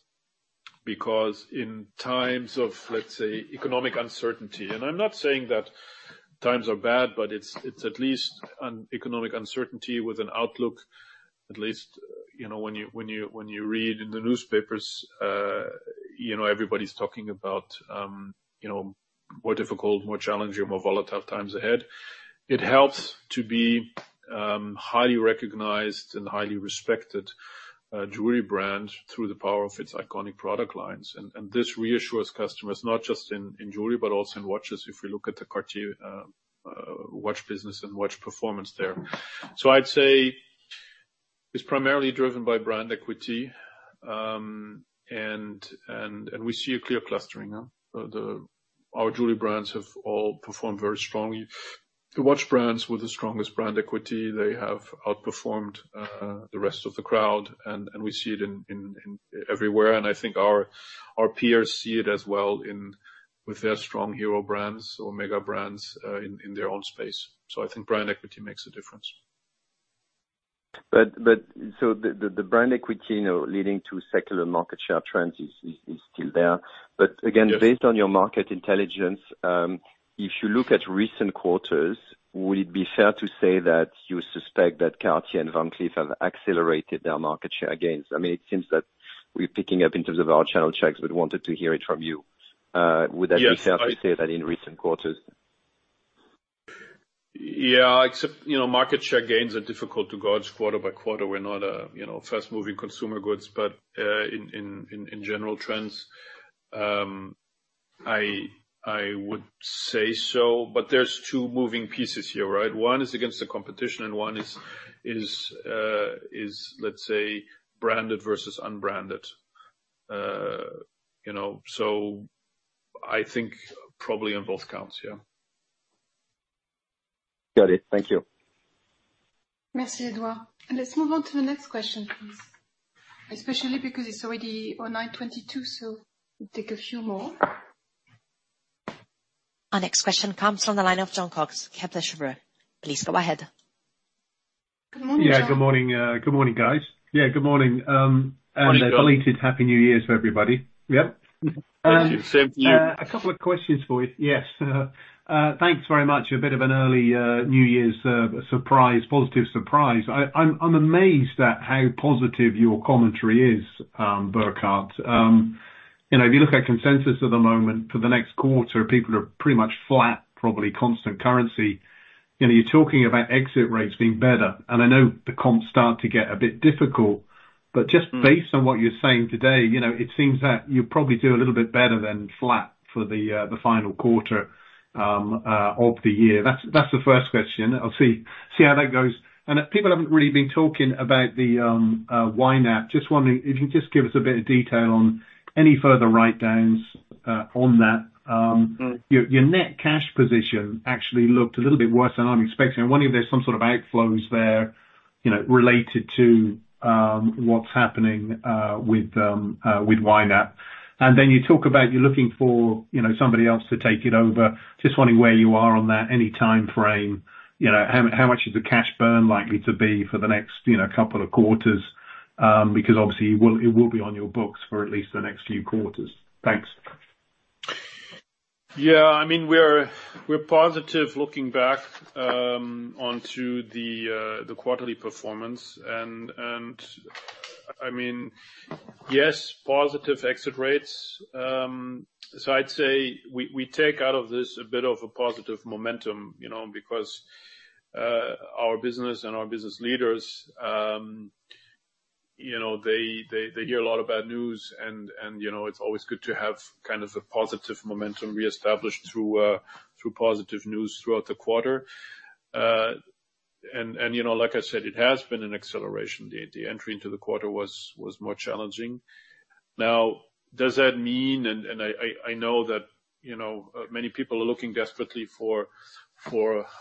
because in times of, let's say, economic uncertainty, and I'm not saying that times are bad, but it's at least an economic uncertainty with an outlook. At least, you know, when you read in the newspapers, you know, everybody's talking about, you know, more difficult, more challenging, or more volatile times ahead. It helps to be highly recognized and highly respected jewelry brand through the power of its iconic product lines. This reassures customers, not just in jewelry, but also in watches, if we look at the Cartier watch business and watch performance there. So I'd say it's primarily driven by brand equity, and we see a clear clustering. Our jewelry brands have all performed very strongly. The watch brands with the strongest brand equity, they have outperformed the rest of the crowd, and we see it in everywhere, and I think our peers see it as well in with their strong hero brands or mega brands in their own space. So I think brand equity makes a difference. The brand equity, you know, leading to secular market share trends is still there. Yes. But again, based on your market intelligence, if you look at recent quarters, would it be fair to say that you suspect that Cartier and Van Cleef have accelerated their market share gains? I mean, it seems that we're picking up in terms of our channel checks, but wanted to hear it from you. Yes, I- Would that be fair to say that in recent quarters? Yeah, except, you know, market share gains are difficult to gauge quarter by quarter. We're not a, you know, fast-moving consumer goods, but in general trends, I would say so, but there's two moving pieces here, right? One is against the competition, and one is, let's say, branded versus unbranded. You know, so I think probably on both counts, yeah. Got it. Thank you. Merci, Edouard. Let's move on to the next question, please. Especially because it's already 9:22 A.M., so we'll take a few more. Our next question comes from the line of Jon Cox, Kepler Cheuvreux. Please go ahead. Good morning, John. Yeah, good morning. Good morning, guys. Yeah, good morning. Morning, John. A belated happy New Year to everybody. Yep. Thank you. Same to you. A couple of questions for you. Yes, thanks very much. A bit of an early New Year's surprise, positive surprise. I'm amazed at how positive your commentary is, Burkhart. You know, if you look at consensus at the moment, for the next quarter, people are pretty much flat, probably constant currency. You know, you're talking about exit rates being better, and I know the comps start to get a bit difficult, but just- Mm... based on what you're saying today, you know, it seems that you'll probably do a little bit better than flat for the final quarter of the year. That's the first question. I'll see how that goes. And people haven't really been talking about the YNAP. Just wondering if you could just give us a bit of detail on any further write-downs on that. Your net cash position actually looked a little bit worse than I'm expecting. I'm wondering if there's some sort of outflows there, you know, related to what's happening with YNAP. And then you talk about you're looking for, you know, somebody else to take it over. Just wondering where you are on that, any time frame, you know, how, how much is the cash burn likely to be for the next, you know, couple of quarters? Because obviously, it will, it will be on your books for at least the next few quarters. Thanks. Yeah, I mean, we're positive looking back onto the quarterly performance. And, I mean, yes, positive exit rates. So I'd say we take out of this a bit of a positive momentum, you know, because our business and our business leaders, you know, they hear a lot of bad news, and, you know, it's always good to have kind of a positive momentum reestablished through positive news throughout the quarter. You know, like I said, it has been an acceleration. The entry into the quarter was more challenging. Now, does that mean... And, I know that... You know, many people are looking desperately for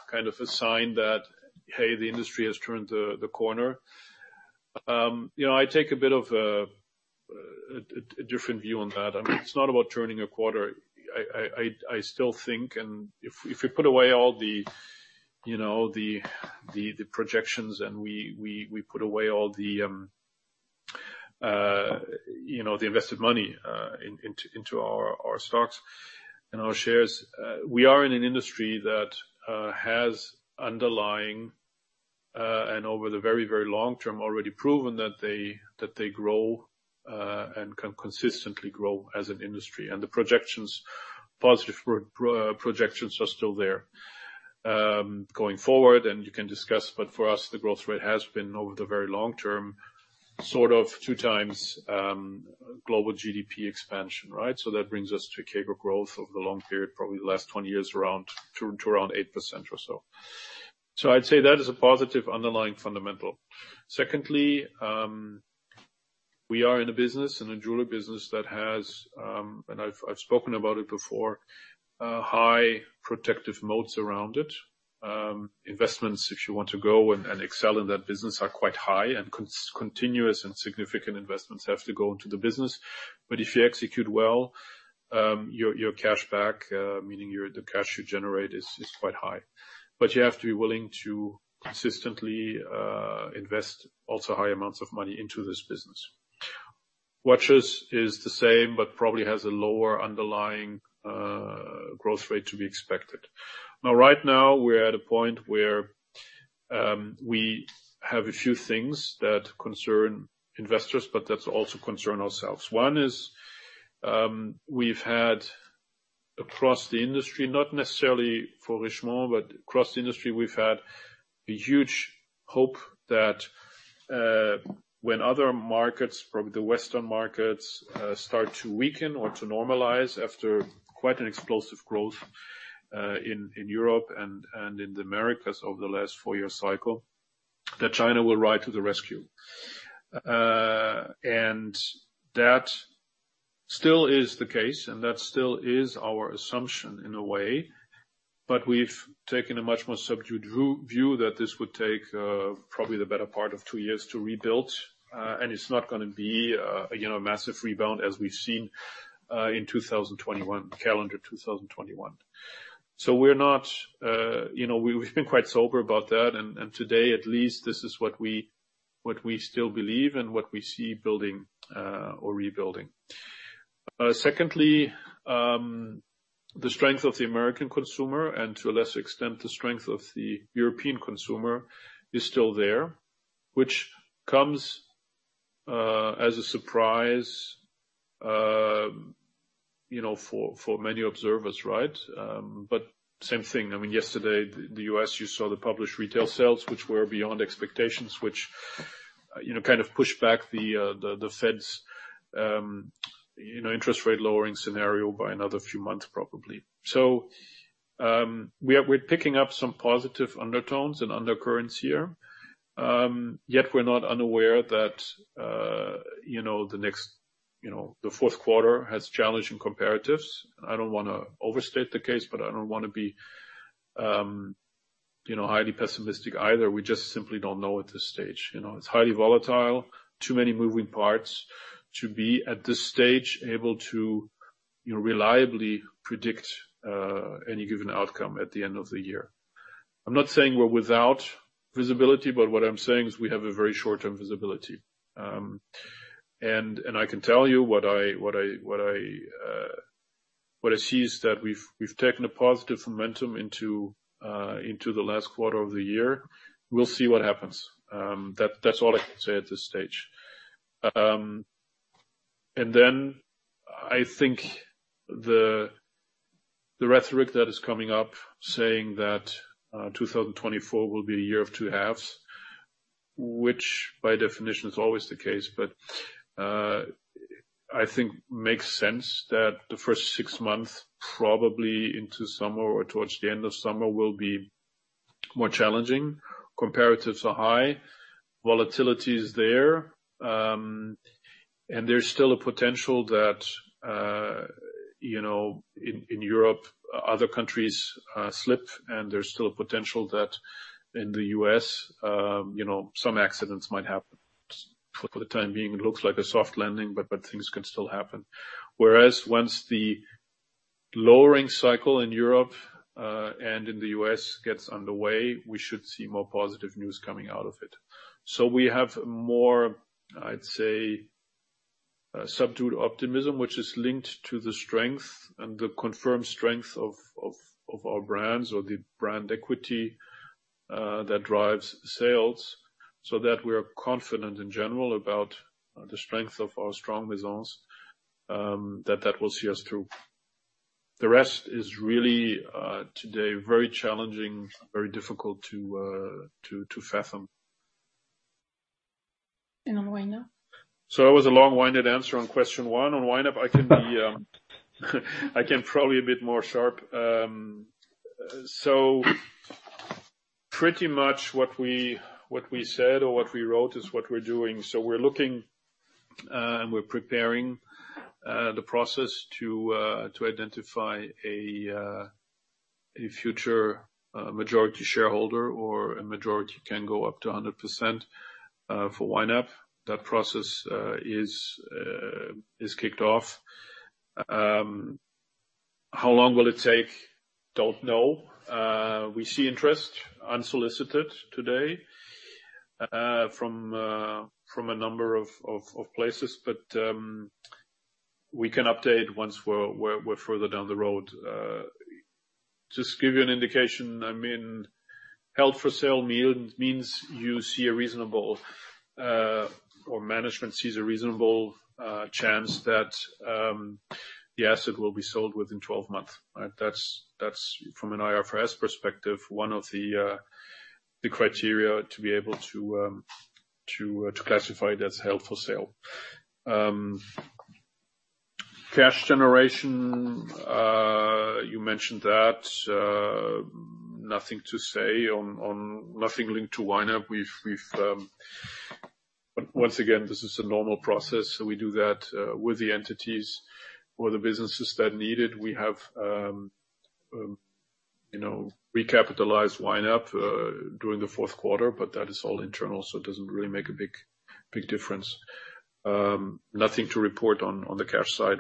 kind of a sign that, hey, the industry has turned the corner. You know, I take a bit of a different view on that. I mean, it's not about turning a quarter. I still think, and if you put away all the, you know, the projections and we put away all the, you know, the invested money into our stocks and our shares, we are in an industry that has underlying and over the very, very long term, already proven that they grow and can consistently grow as an industry. And the projections, positive projections are still there. Going forward, and you can discuss, but for us, the growth rate has been over the very long term, sort of two times global GDP expansion, right? So that brings us to CAGR growth over the long period, probably the last 20 years, around 8% or so. So I'd say that is a positive underlying fundamental. Secondly, we are in a business, in a jewelry business that has, and I've spoken about it before, a high protective moats around it. Investments, if you want to go and excel in that business, are quite high, and continuous and significant investments have to go into the business. But if you execute well, your cash back, meaning your the cash you generate is quite high. But you have to be willing to consistently invest also high amounts of money into this business. Watches is the same, but probably has a lower underlying growth rate to be expected. Now, right now, we're at a point where we have a few things that concern investors, but that also concern ourselves. One is, we've had across the industry, not necessarily for Richemont, but across the industry, we've had a huge hope that when other markets, probably the Western markets, start to weaken or to normalize after quite an explosive growth in Europe and in the Americas over the last four-year cycle, that China will ride to the rescue. And that still is the case, and that still is our assumption in a way, but we've taken a much more subdued view that this would take probably the better part of two years to rebuild. And it's not gonna be, you know, a massive rebound as we've seen in 2021, calendar 2021. So we're not, you know, we've been quite sober about that, and today, at least, this is what we still believe and what we see building or rebuilding. Secondly, the strength of the American consumer, and to a lesser extent, the strength of the European consumer, is still there, which comes as a surprise, you know, for many observers, right? But same thing. I mean, yesterday, the U.S., you saw the published retail sales, which were beyond expectations, which, you know, kind of pushed back the the Fed's, you know, interest rate lowering scenario by another few months, probably. So, we're picking up some positive undertones and undercurrents here. Yet we're not unaware that, you know, the next, you know, the Q4 has challenging comparatives. I don't wanna overstate the case, but I don't wanna be, you know, highly pessimistic either. We just simply don't know at this stage. You know, it's highly volatile. Too many moving parts to be, at this stage, able to, you know, reliably predict any given outcome at the end of the year. I'm not saying we're without visibility, but what I'm saying is we have a very short-term visibility. And I can tell you what I see is that we've taken a positive momentum into the last quarter of the year. We'll see what happens. That's all I can say at this stage. And then I think the rhetoric that is coming up saying that 2024 will be a year of two halves, which by definition is always the case, but I think makes sense, that the first six months, probably into summer or towards the end of summer, will be more challenging. Comparatives are high, volatility is there, and there's still a potential that, you know, in Europe, other countries slip, and there's still a potential that in the US, you know, some accidents might happen. For the time being, it looks like a soft landing, but things can still happen. Whereas once the lowering cycle in Europe and in the US gets underway, we should see more positive news coming out of it. So we have more, I'd say, subdued optimism, which is linked to the strength and the confirmed strength of our brands or the brand equity that drives sales, so that we are confident in general about the strength of our strong Maisons that will see us through. The rest is really today very challenging, very difficult to fathom. And on YNAP? So that was a long-winded answer on question one. On YNAP, I can probably a bit more sharp. Pretty much what we said or what we wrote is what we're doing. So we're looking and we're preparing the process to identify a future majority shareholder or a majority can go up to 100% for YNAP. That process is kicked off. How long will it take? Don't know. We see interest, unsolicited today, from a number of places, but we can update once we're further down the road. Just to give you an indication, I mean, Held for Sale means you see a reasonable, or management sees a reasonable, chance that the asset will be sold within 12 months, right? That's from an IFRS perspective, one of the criteria to be able to classify it as Held for Sale. Cash generation, you mentioned that. Nothing to say on... Nothing linked to Windup. We've once again, this is a normal process, so we do that with the entities or the businesses that need it. We have, you know, recapitalized Windup during the Q4, but that is all internal, so it doesn't really make a big, big difference. Nothing to report on the cash side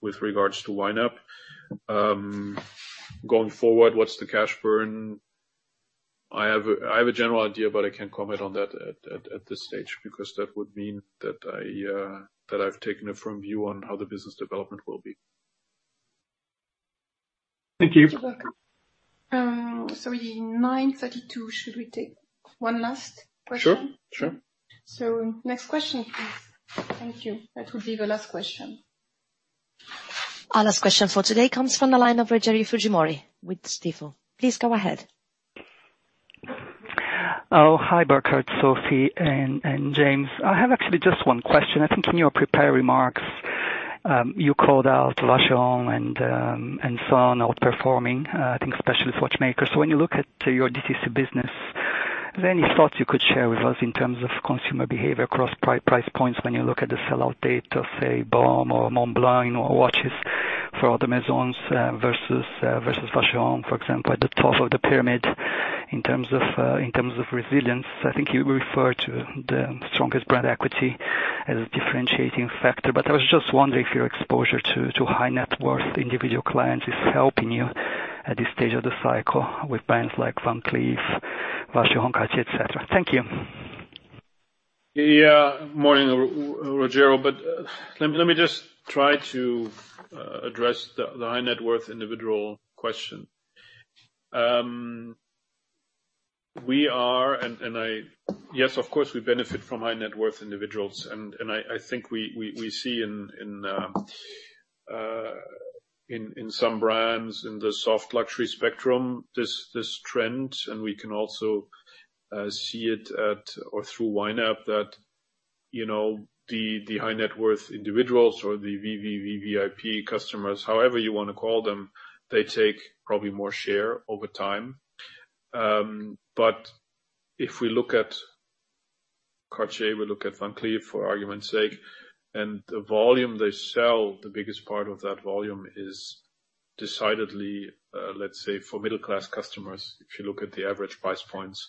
with regards to Windup. Going forward, what's the cash burn? I have a general idea, but I can't comment on that at this stage, because that would mean that I've taken a firm view on how the business development will be. Thank you. You're welcome. It's 9:32 A.M. Should we take one last question? Sure, sure. Next question, please. Thank you. That will be the last question. Our last question for today comes from the line of Rogerio Fujimori with Stifel. Please go ahead. Oh, hi, Burkhart, Sophie, and James. I have actually just one question. I think in your prepared remarks, you called out Vacheron and so on, outperforming, I think especially with watchmakers. So when you look at your DTC business, are there any thoughts you could share with us in terms of consumer behavior across price points when you look at the sell-out date of, say, Baume or Montblanc or watches for other maisons, versus Vacheron, for example, at the top of the pyramid, in terms of resilience? I think you referred to the strongest brand equity as a differentiating factor. But I was just wondering if your exposure to high-net-worth individual clients is helping you at this stage of the cycle with brands like Van Cleef, Vacheron Constantin, et cetera. Thank you. Yeah, morning, Rogerio, but let me just try to address the high-net-worth individual question. We are, and I... Yes, of course, we benefit from high-net-worth individuals, and I think we see in some brands in the soft luxury spectrum, this trend, and we can also see it at or through Windup, that you know, the high-net-worth individuals or the VVVVIP customers, however you want to call them, they take probably more share over time. But if we look at Cartier, we look at Van Cleef, for argument's sake, and the volume they sell, the biggest part of that volume is decidedly, let's say, for middle-class customers. If you look at the average price points,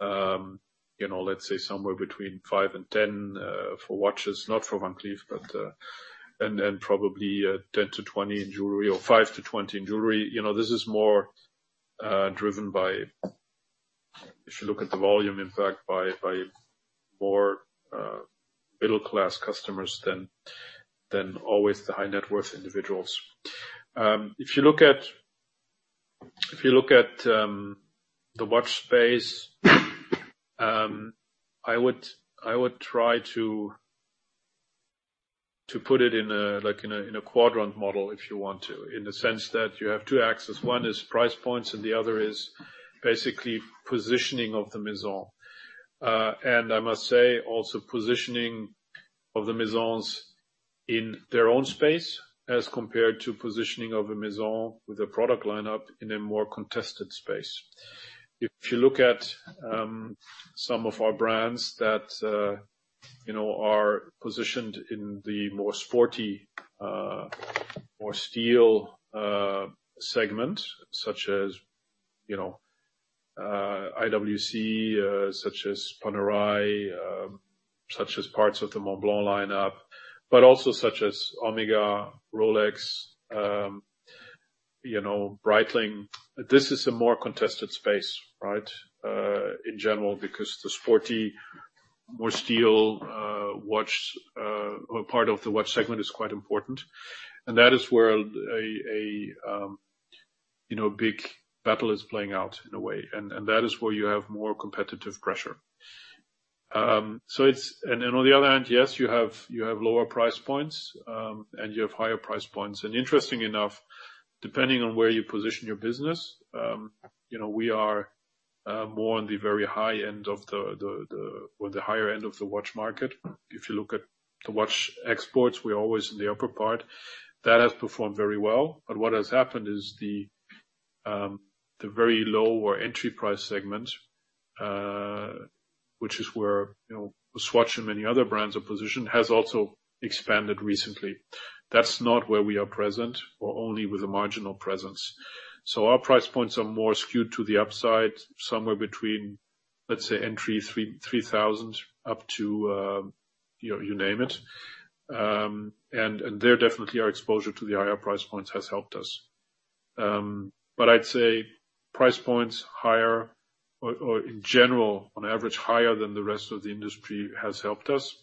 you know, let's say somewhere between 5 and 10, for watches, not for Van Cleef, but... And probably 10 to 20 in jewelry, or 5 to 20 in jewelry, you know, this is more driven by, if you look at the volume, in fact, by more middle-class customers than always the high-net-worth individuals. If you look at, if you look at, the watch space, I would, I would try to put it in a, like, in a quadrant model, if you want to, in the sense that you have two axes. One is price points, and the other is basically positioning of the maison. And I must say, also positioning of the maisons in their own space as compared to positioning of a maison with a product lineup in a more contested space. If you look at some of our brands that, you know, are positioned in the more sporty, more steel, segment, such as, you know, IWC, such as Panerai, such as parts of the Montblanc lineup, but also such as Omega, Rolex, you know, Breitling, this is a more contested space, right? In general, because the sporty, more steel, watch, or part of the watch segment is quite important. And that is where a, you know, big battle is playing out in a way, and that is where you have more competitive pressure. So it's, and on the other hand, yes, you have lower price points, and you have higher price points. And interestingly enough, depending on where you position your business, you know, we are more on the very high end of the or the higher end of the watch market. If you look at the watch exports, we're always in the upper part. That has performed very well, but what has happened is the very low or entry price segment, which is where, you know, Swatch and many other brands are positioned, has also expanded recently. That's not where we are present, or only with a marginal presence. So our price points are more skewed to the upside, somewhere between, let's say, entry 3,000, up to, you name it. And there definitely our exposure to the higher price points has helped us. But I'd say price points higher or in general, on average, higher than the rest of the industry has helped us,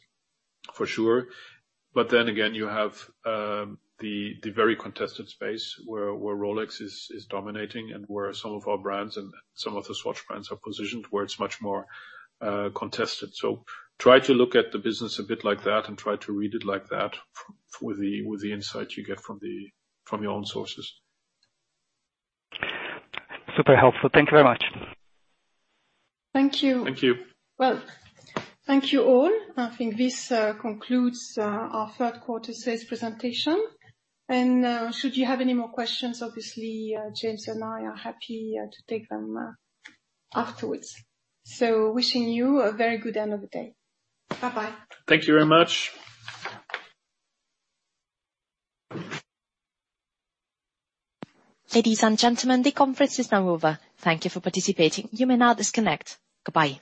for sure. But then again, you have the very contested space where Rolex is dominating and where some of our brands and some of the Swatch brands are positioned, where it's much more contested. So try to look at the business a bit like that and try to read it like that with the insight you get from your own sources. Super helpful. Thank you very much. Thank you. Thank you. Well, thank you, all. I think this concludes our Q3 sales presentation. Should you have any more questions, obviously, James and I are happy to take them afterwards. So wishing you a very good end of the day. Bye-bye. Thank you very much. Ladies and gentlemen, the conference is now over. Thank you for participating. You may now disconnect. Goodbye.